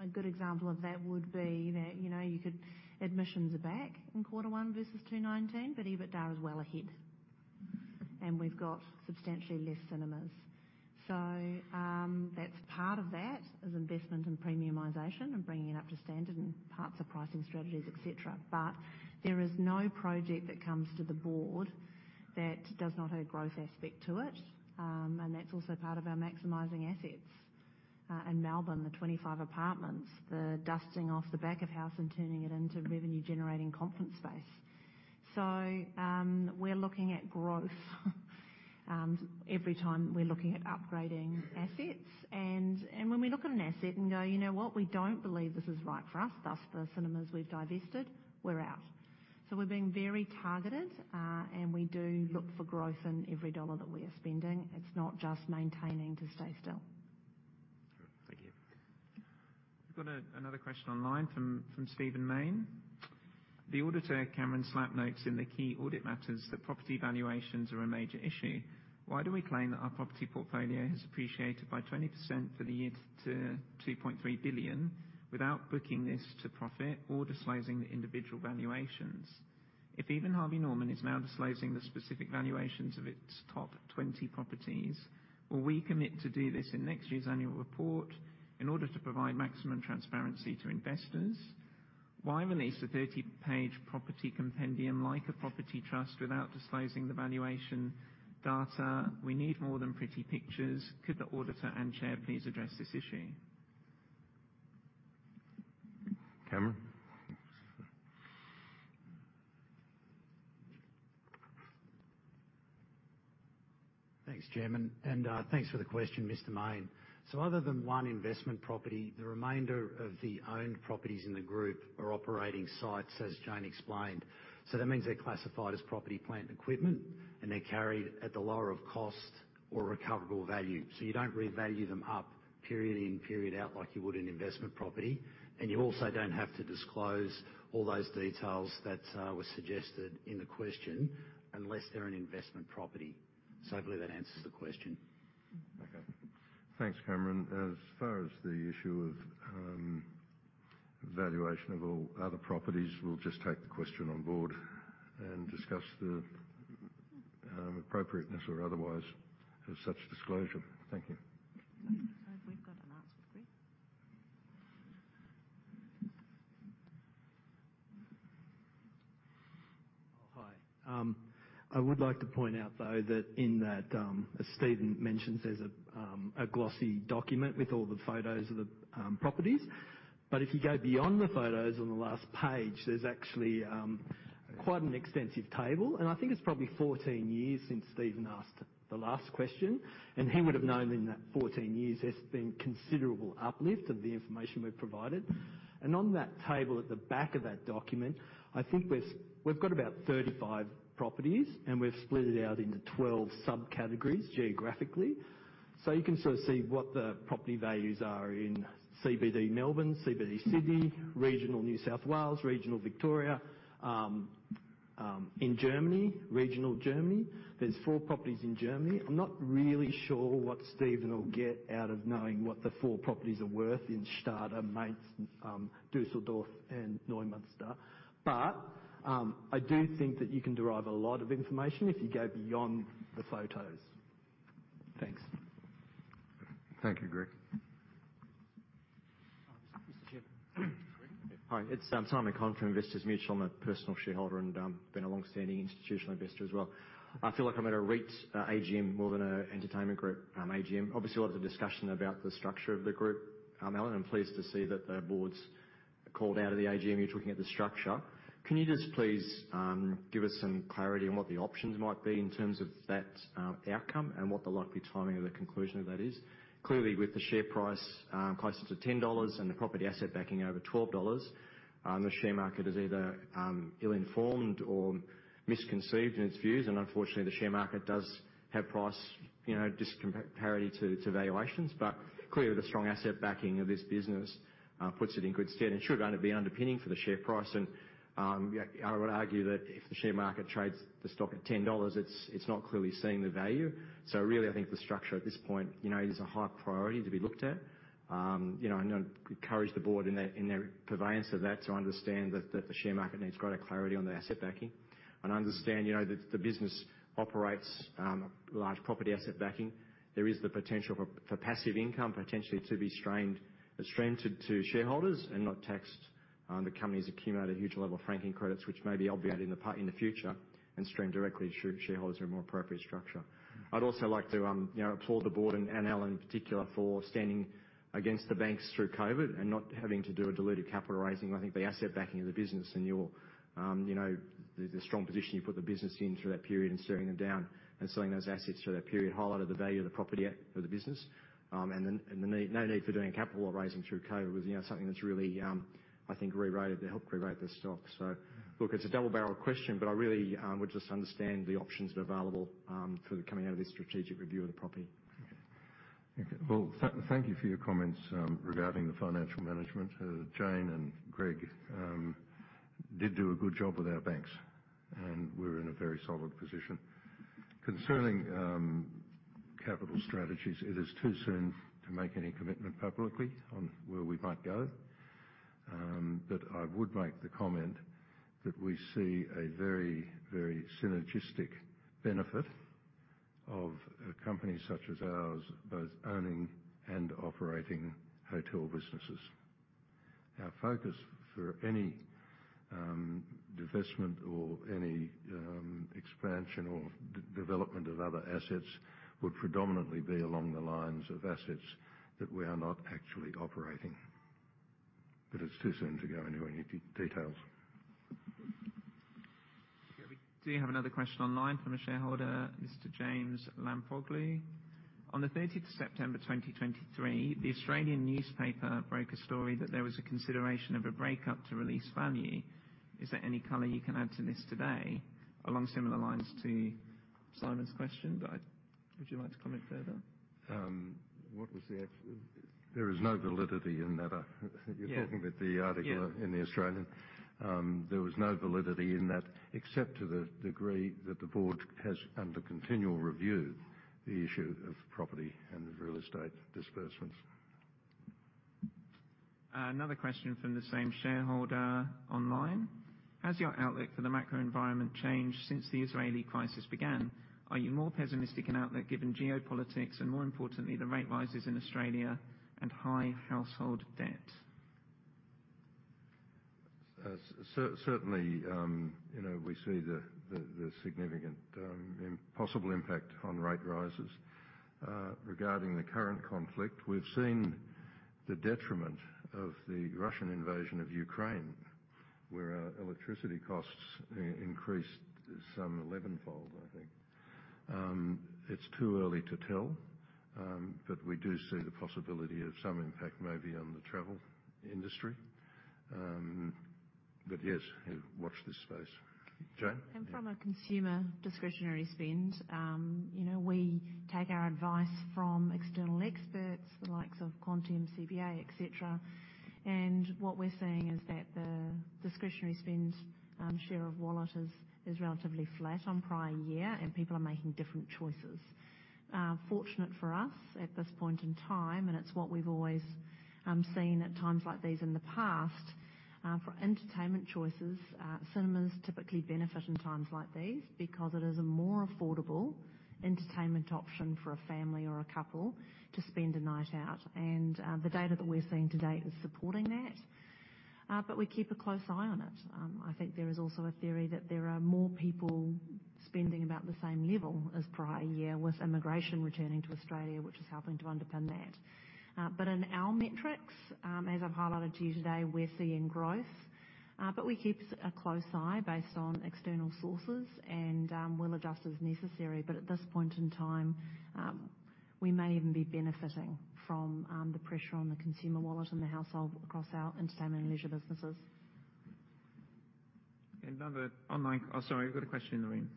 A good example of that would be that, you know, admissions are back in quarter 1 versus 2019, but EBITDA is well ahead, and we've got substantially less cinemas. That's part of that, is investment in premiumization and bringing it up to standard and parts of pricing strategies, et cetera. There is no project that comes to the Board that does not have a growth aspect to it. That's also part of our maximizing assets. In Melbourne, the 25 apartments, the dusting off the back of house and turning it into revenue-generating conference space. We're looking at growth every time we're looking at upgrading assets. When we look at an asset and go, "You know what? We don't believe this is right for us," thus the cinemas we've divested, we're out. We're being very targeted, and we do look for growth in every Australian dollar that we are spending. It's not just maintaining to stay still. Thank you. We've got another question online from Stephen Mayne: The auditor, Cameron Slapp, notes in the key audit matters that property valuations are a major issue. Why do we claim that our property portfolio has appreciated by 20% for the year to 2.3 billion without booking this to profit or disclosing the individual valuations? If even Harvey Norman is now disclosing the specific valuations of its top 20 properties, will we commit to do this in next year's annual report in order to provide maximum transparency to investors? Why release a 30-page property compendium like a property trust without disclosing the valuation data? We need more than pretty pictures. Could the auditor and Chair please address this issue? Cameron? Thanks, Chairman. Thanks for the question, Mr. Mayne. Other than one investment property, the remainder of the owned properties in the group are operating sites, as Jane explained. That means they're classified as property, plant, and equipment, and they're carried at the lower of cost or recoverable value. You don't revalue them up, period in, period out, like you would an investment property, and you also don't have to disclose all those details that were suggested in the question, unless they're an investment property. I believe that answers the question. Okay. Thanks, Cameron. As far as the issue of valuation of all other properties, we'll just take the question on board and discuss the appropriateness or otherwise of such disclosure. Thank you. We've got an answer, Greg. Oh, hi. I would like to point out, though, that in that, as Stephen mentions, there's a glossy document with all the photos of the properties. If you go beyond the photos on the last page, there's actually quite an extensive table, and I think it's probably 14 years since Stephen asked the last question, and he would have known in that 14 years, there's been considerable uplift of the information we've provided. On that table at the back of that document, I think we've got about 35 properties, and we've split it out into 12 subcategories geographically. You can sort of see what the property values are in CBD Melbourne, CBD Sydney, Regional New South Wales, Regional Victoria, in Germany, Regional Germany. There's four properties in Germany. I'm not really sure what Stephen will get out of knowing what the four properties are worth in Stade, Mainz, Düsseldorf, and Neumünster. But I do think that you can derive a lot of information if you go beyond the photos. Thanks. Thank you, Greg. Mr. Chairman. Sorry. Hi, it's Simon Conn from Investors Mutual. I'm a personal shareholder and been a long-standing institutional investor as well. I feel like I'm at a REIT AGM more than an entertainment group AGM. Obviously, a lot of the discussion about the structure of the group, Alan, I'm pleased to see that the board's called out of the AGM, you're talking at the structure. Can you just please give us some clarity on what the options might be in terms of that outcome and what the likely timing of the conclusion of that is? Clearly, the strong asset backing of this business puts it in good stead and should only be underpinning for the share price. Yeah, I would argue that if the share market trades the stock at 10 dollars, it's not clearly seeing the value. Really, I think the structure at this point, you know, it is a high priority to be looked at. You know, and I encourage the board in their purveyance of that, to understand that the share market needs greater clarity on the asset backing. I understand, you know, that the business operates a large property asset backing. There is the potential for passive income, potentially to be streamed to shareholders and not taxed. The company's accumulated a huge level of franking credits, which may be obviated in the future and streamed directly to shareholders in a more appropriate structure. I'd also like to, you know, applaud the board and Alan in particular, for standing against the banks through COVID and not having to do a diluted capital raising. I think the asset backing of the business and your, you know, the strong position you put the business in through that period and staring them down and selling those assets through that period highlighted the value of the property of the business. The need, no need for doing a capital raising through COVID was, you know, something that's really, I think, rerated, to help rerate the stock. Look, it's a double-barreled question, but I really would just understand the options that are available for coming out of this strategic review of the property. Okay. Well, thank you for your comments regarding the financial management. Jane and Greg did do a good job with our banks, and we're in a very solid position. Concerning capital strategies, it is too soon to make any commitment publicly on where we might go. I would make the comment that we see a very, very synergistic benefit of a company such as ours, both owning and operating hotel businesses. Our focus for any divestment or any expansion or development of other assets would predominantly be along the lines of assets that we are not actually operating. It's too soon to go into any details. Yeah, we do have another question online from a shareholder, Mr. James Lampoglie. On the 13th of September 2023, The Australian newspaper broke a story that there was a consideration of a breakup to release value. Is there any color you can add to this today? Along similar lines to Simon's question, but would you like to comment further? There is no validity in that. Yeah. I think you're talking about the article- Yeah. In The Australian, there was no validity in that, except to the degree that the board has, under continual review, the issue of property and real estate disbursements. Another question from the same shareholder online. Has your outlook for the macro environment changed since the Israeli crisis began? Are you more pessimistic in outlook, given geopolitics, and more importantly, the rate rises in Australia and high household debt? Certainly, you know, we see the significant possible impact on rate rises. Regarding the current conflict, we've seen the detriment of the Russian invasion of Ukraine, where our electricity costs increased some 11-fold, I think. It's too early to tell, but we do see the possibility of some impact maybe on the travel industry. Yes, watch this space. Jane? From a consumer discretionary spend, you know, we take our advice from external experts, the likes of Quantium, CBA, et cetera. What we're seeing is that the discretionary spend share of wallet is relatively flat on prior year, and people are making different choices. Fortunate for us, at this point in time, and it's what we've always seen at times like these in the past, for entertainment choices, cinemas typically benefit in times like these, because it is a more affordable entertainment option for a family or a couple to spend a night out. The data that we're seeing to date is supporting that, but we keep a close eye on it. I think there is also a theory that there are more people spending about the same level as prior year with immigration returning to Australia, which is helping to underpin that. In our metrics, as I've highlighted to you today, we're seeing growth. We keep a close eye based on external sources, and we'll adjust as necessary. At this point in time, we may even be benefiting from the pressure on the consumer wallet and the household across our entertainment and leisure businesses. Another online. Oh, sorry, we've got a question in the room.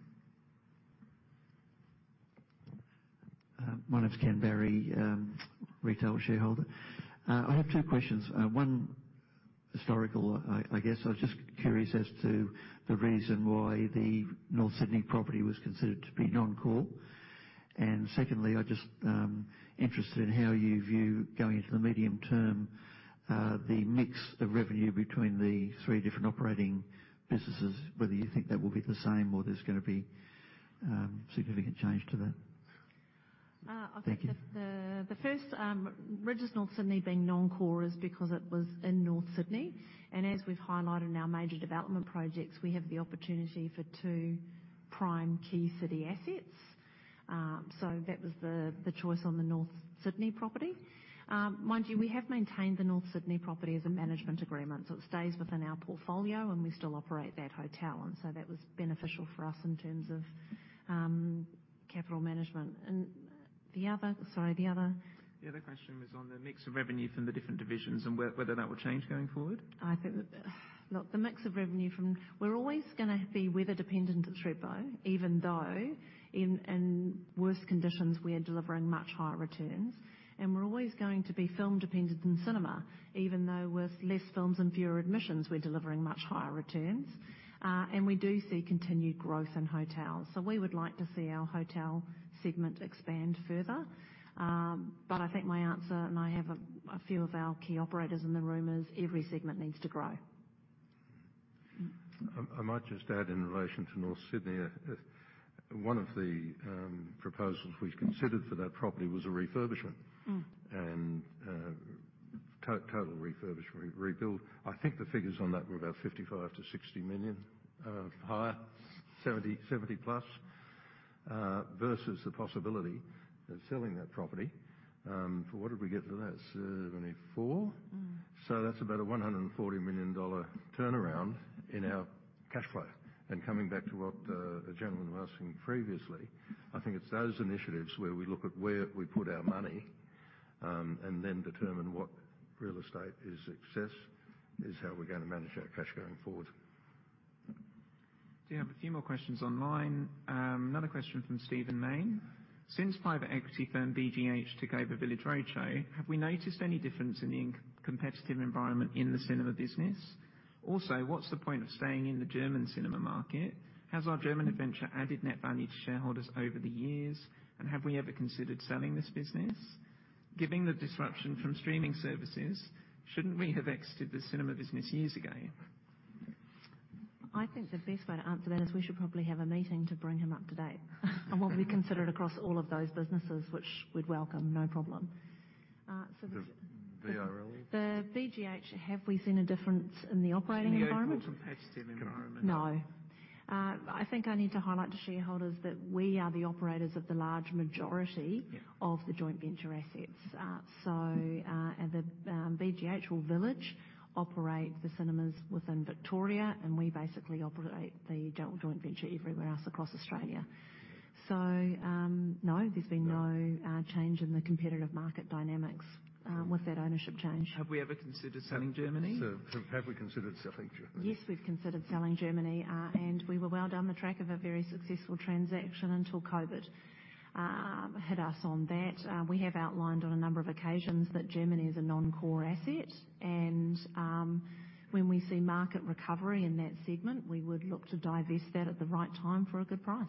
My name's Ken Barry, retail shareholder. I have two questions, one historical. I guess I was just curious as to the reason why the North Sydney property was considered to be non-core. Secondly, I'm just interested in how you view, going into the medium term, the mix of revenue between the three different operating businesses, whether you think that will be the same or there's gonna be significant change to that. I think that. Thank you. The first, Rydges North Sydney being non-core, is because it was in North Sydney, and, as we've highlighted in our major development projects, we have the opportunity for two prime key city assets. That was the choice on the North Sydney property. Mind you, we have maintained the North Sydney property as a management agreement, so it stays within our portfolio, and we still operate that hotel. That was beneficial for us in terms of capital management. The other... Sorry, the other... The other question was on the mix of revenue from the different divisions and whether that will change going forward. I think that, look, the mix of revenue from-- We're always going to be weather dependent at Thredbo, even though in worse conditions, we are delivering much higher returns. We're always going to be film dependent in cinema, even though with less films and fewer admissions, we're delivering much higher returns. And we do see continued growth in hotels. We would like to see our hotel segment expand further. I think my answer, and I have a few of our key operators in the room, is every segment needs to grow. I might just add, in relation to North Sydney, one of the proposals we considered for that property was a refurbishment. Mm. Total refurbishment, rebuild. I think the figures on that were about 55 million-60 million, higher, 70 million, 70+ million versus the possibility of selling that property. For what did we get for that? 74 million. Mm. That's about an 140 million dollar turnaround in our cash flow. Coming back to what the gentleman was asking previously, I think it's those initiatives where we look at where we put our money and then determine what real estate is excess, is how we're gonna manage our cash going forward. You have a few more questions online. Another question from Stephen Mayne: Since private equity firm BGH took over Village Roadshow, have we noticed any difference in the competitive environment in the cinema business? Also, what's the point of staying in the German cinema market? Has our German adventure added net value to shareholders over the years? Have we ever considered selling this business? Given the disruption from streaming services, shouldn't we have exited the cinema business years ago? I think the best way to answer that is we should probably have a meeting to bring him up to date and what we considered across all of those businesses, which we'd welcome, no problem. The VRL? The BGH, have we seen a difference in the operating environment? The competitive environment. No. I think I need to highlight to shareholders that we are the operators of the large majority. Yeah of the joint venture assets. BGH or Village operate the cinemas within Victoria, and we basically operate the joint venture everywhere else across Australia. No, there's been no Yeah Change in the competitive market dynamics with that ownership change. Have we ever considered selling Germany? Have we considered selling Germany? Yes, we've considered selling Germany, and we were well down the track of a very successful transaction until COVID hit us on that. We have outlined on a number of occasions that Germany is a non-core asset, and when we see market recovery in that segment, we would look to divest that at the right time for a good price.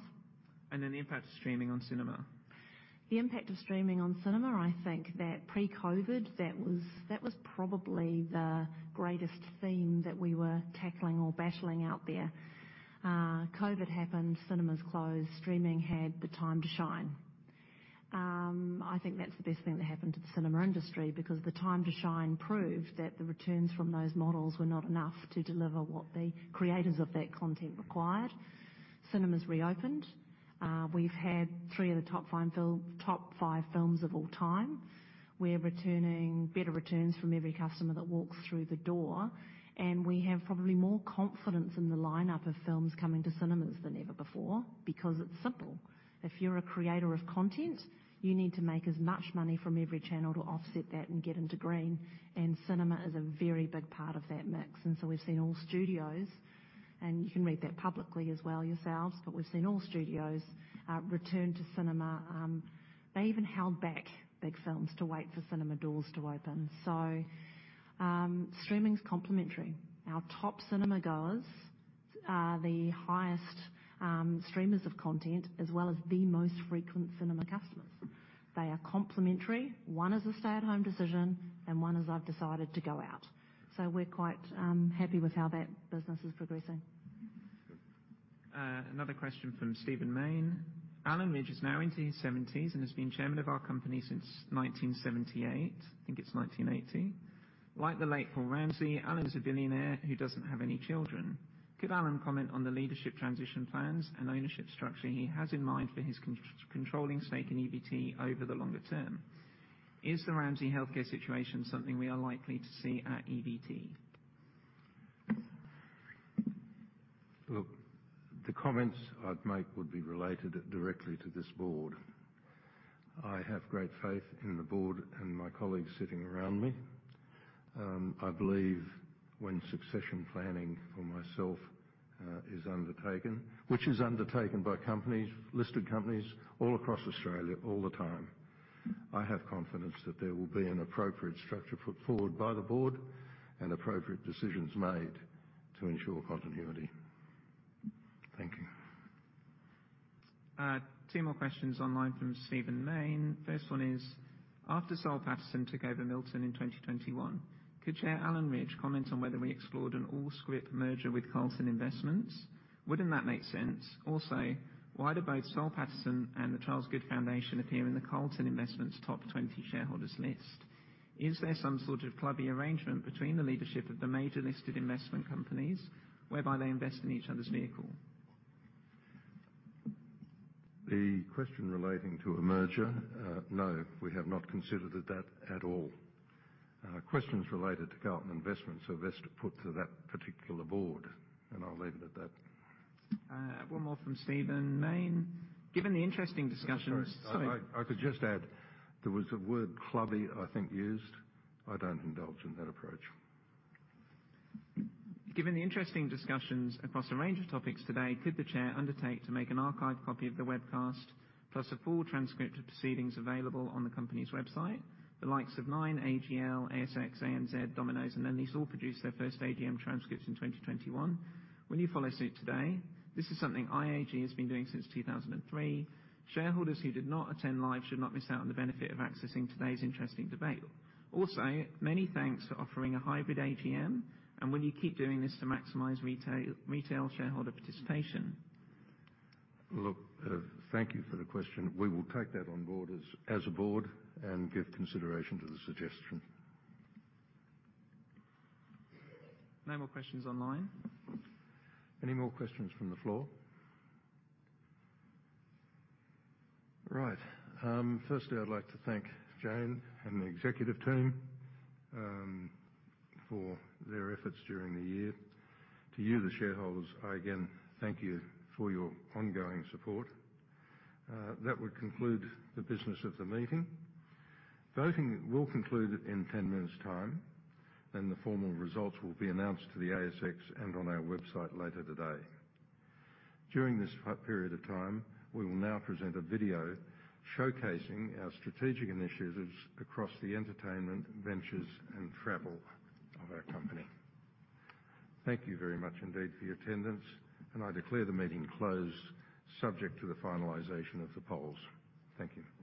The impact of streaming on cinema? The impact of streaming on cinema, I think that pre-COVID, that was probably the greatest theme that we were tackling or battling out there. COVID happened, cinemas closed, streaming had the time to shine. I think that's the best thing that happened to the cinema industry, because the time to shine proved that the returns from those models were not enough to deliver what the creators of that content required. Cinemas reopened. We've had three of the top five films of all time. We're returning better returns from every customer that walks through the door, and we have probably more confidence in the lineup of films coming to cinemas than ever before because it's simple. If you're a creator of content, you need to make as much money from every channel to offset that and get into green and cinema is a very big part of that mix. And so we've seen all studios, and you can read that publicly as well yourselves, but we've seen all studios return to cinema. They even held back big films to wait for cinema doors to open. So streaming is complementary. Our top cinema goers are the highest streamers of content, as well as the most frequent cinema customers. They are complementary. One is a stay at home decision and one is I've decided to go out. So we're quite happy with how that business is progressing. Another question from Stephen Mayne. Alan Rydge is now into his 70s and has been Chairman of our company since 1978. I think it's 1980. Like the late Paul Ramsay, Alan is a billionaire who doesn't have any children. Could Alan comment on the leadership transition plans and ownership structure he has in mind for his controlling stake in EVT over the longer term? Is the Ramsay Health Care situation something we are likely to see at EVT? Look, the comments I'd make would be related directly to this board. I have great faith in the board and my colleagues sitting around me. I believe when succession planning for myself is undertaken, which is undertaken by companies, listed companies all across Australia all the time, I have confidence that there will be an appropriate structure put forward by the board and appropriate decisions made to ensure continuity. Thank you. Two more questions online from Stephen Mayne. First one is: After Soul Pattinson took over Milton in 2021, could Chair Alan Rydge comment on whether we explored an all-scrip merger with Carlton Investments? Wouldn't that make sense? Also, why do both Soul Pattinson and the Charles Goode Foundation appear in the Carlton Investments top 20 shareholders list? Is there some sort of clubby arrangement between the leadership of the major listed investment companies, whereby they invest in each other's vehicle? The question relating to a merger, no, we have not considered that at all. Questions related to Carlton Investments are best put to that particular board, and I'll leave it at that. One more from Stephen Mayne: Given the interesting discussions. Sorry. Sorry. I could just add, there was a word clubby, I think, used. I don't indulge in that approach. Given the interesting discussions across a range of topics today, could the Chair undertake to make an archived copy of the webcast, plus a full transcript of proceedings available on the company's website? The likes of Nine, AGL, ASX, ANZ, Domino's, and Lendlease all produced their first AGM transcripts in 2021. Will you follow suit today? This is something IAG has been doing since 2003. Shareholders who did not attend live should not miss out on the benefit of accessing today's interesting debate. Also, many thanks for offering a hybrid AGM, and will you keep doing this to maximize retail shareholder participation? Look, thank you for the question. We will take that on board as a Board and give consideration to the suggestion. No more questions online. Any more questions from the floor? Right. Firstly, I'd like to thank Jane and the Executive Team for their efforts during the year. To you, the shareholders, I again thank you for your ongoing support. That would conclude the business of the meeting. Voting will conclude in 10 minutes' time, and the formal results will be announced to the ASX and on our website later today. During this period of time, we will now present a video showcasing our strategic initiatives across the Entertainment, Ventures, and Travel of our company. Thank you very much indeed for your attendance, and I declare the meeting closed, subject to the finalization of the polls. Thank you.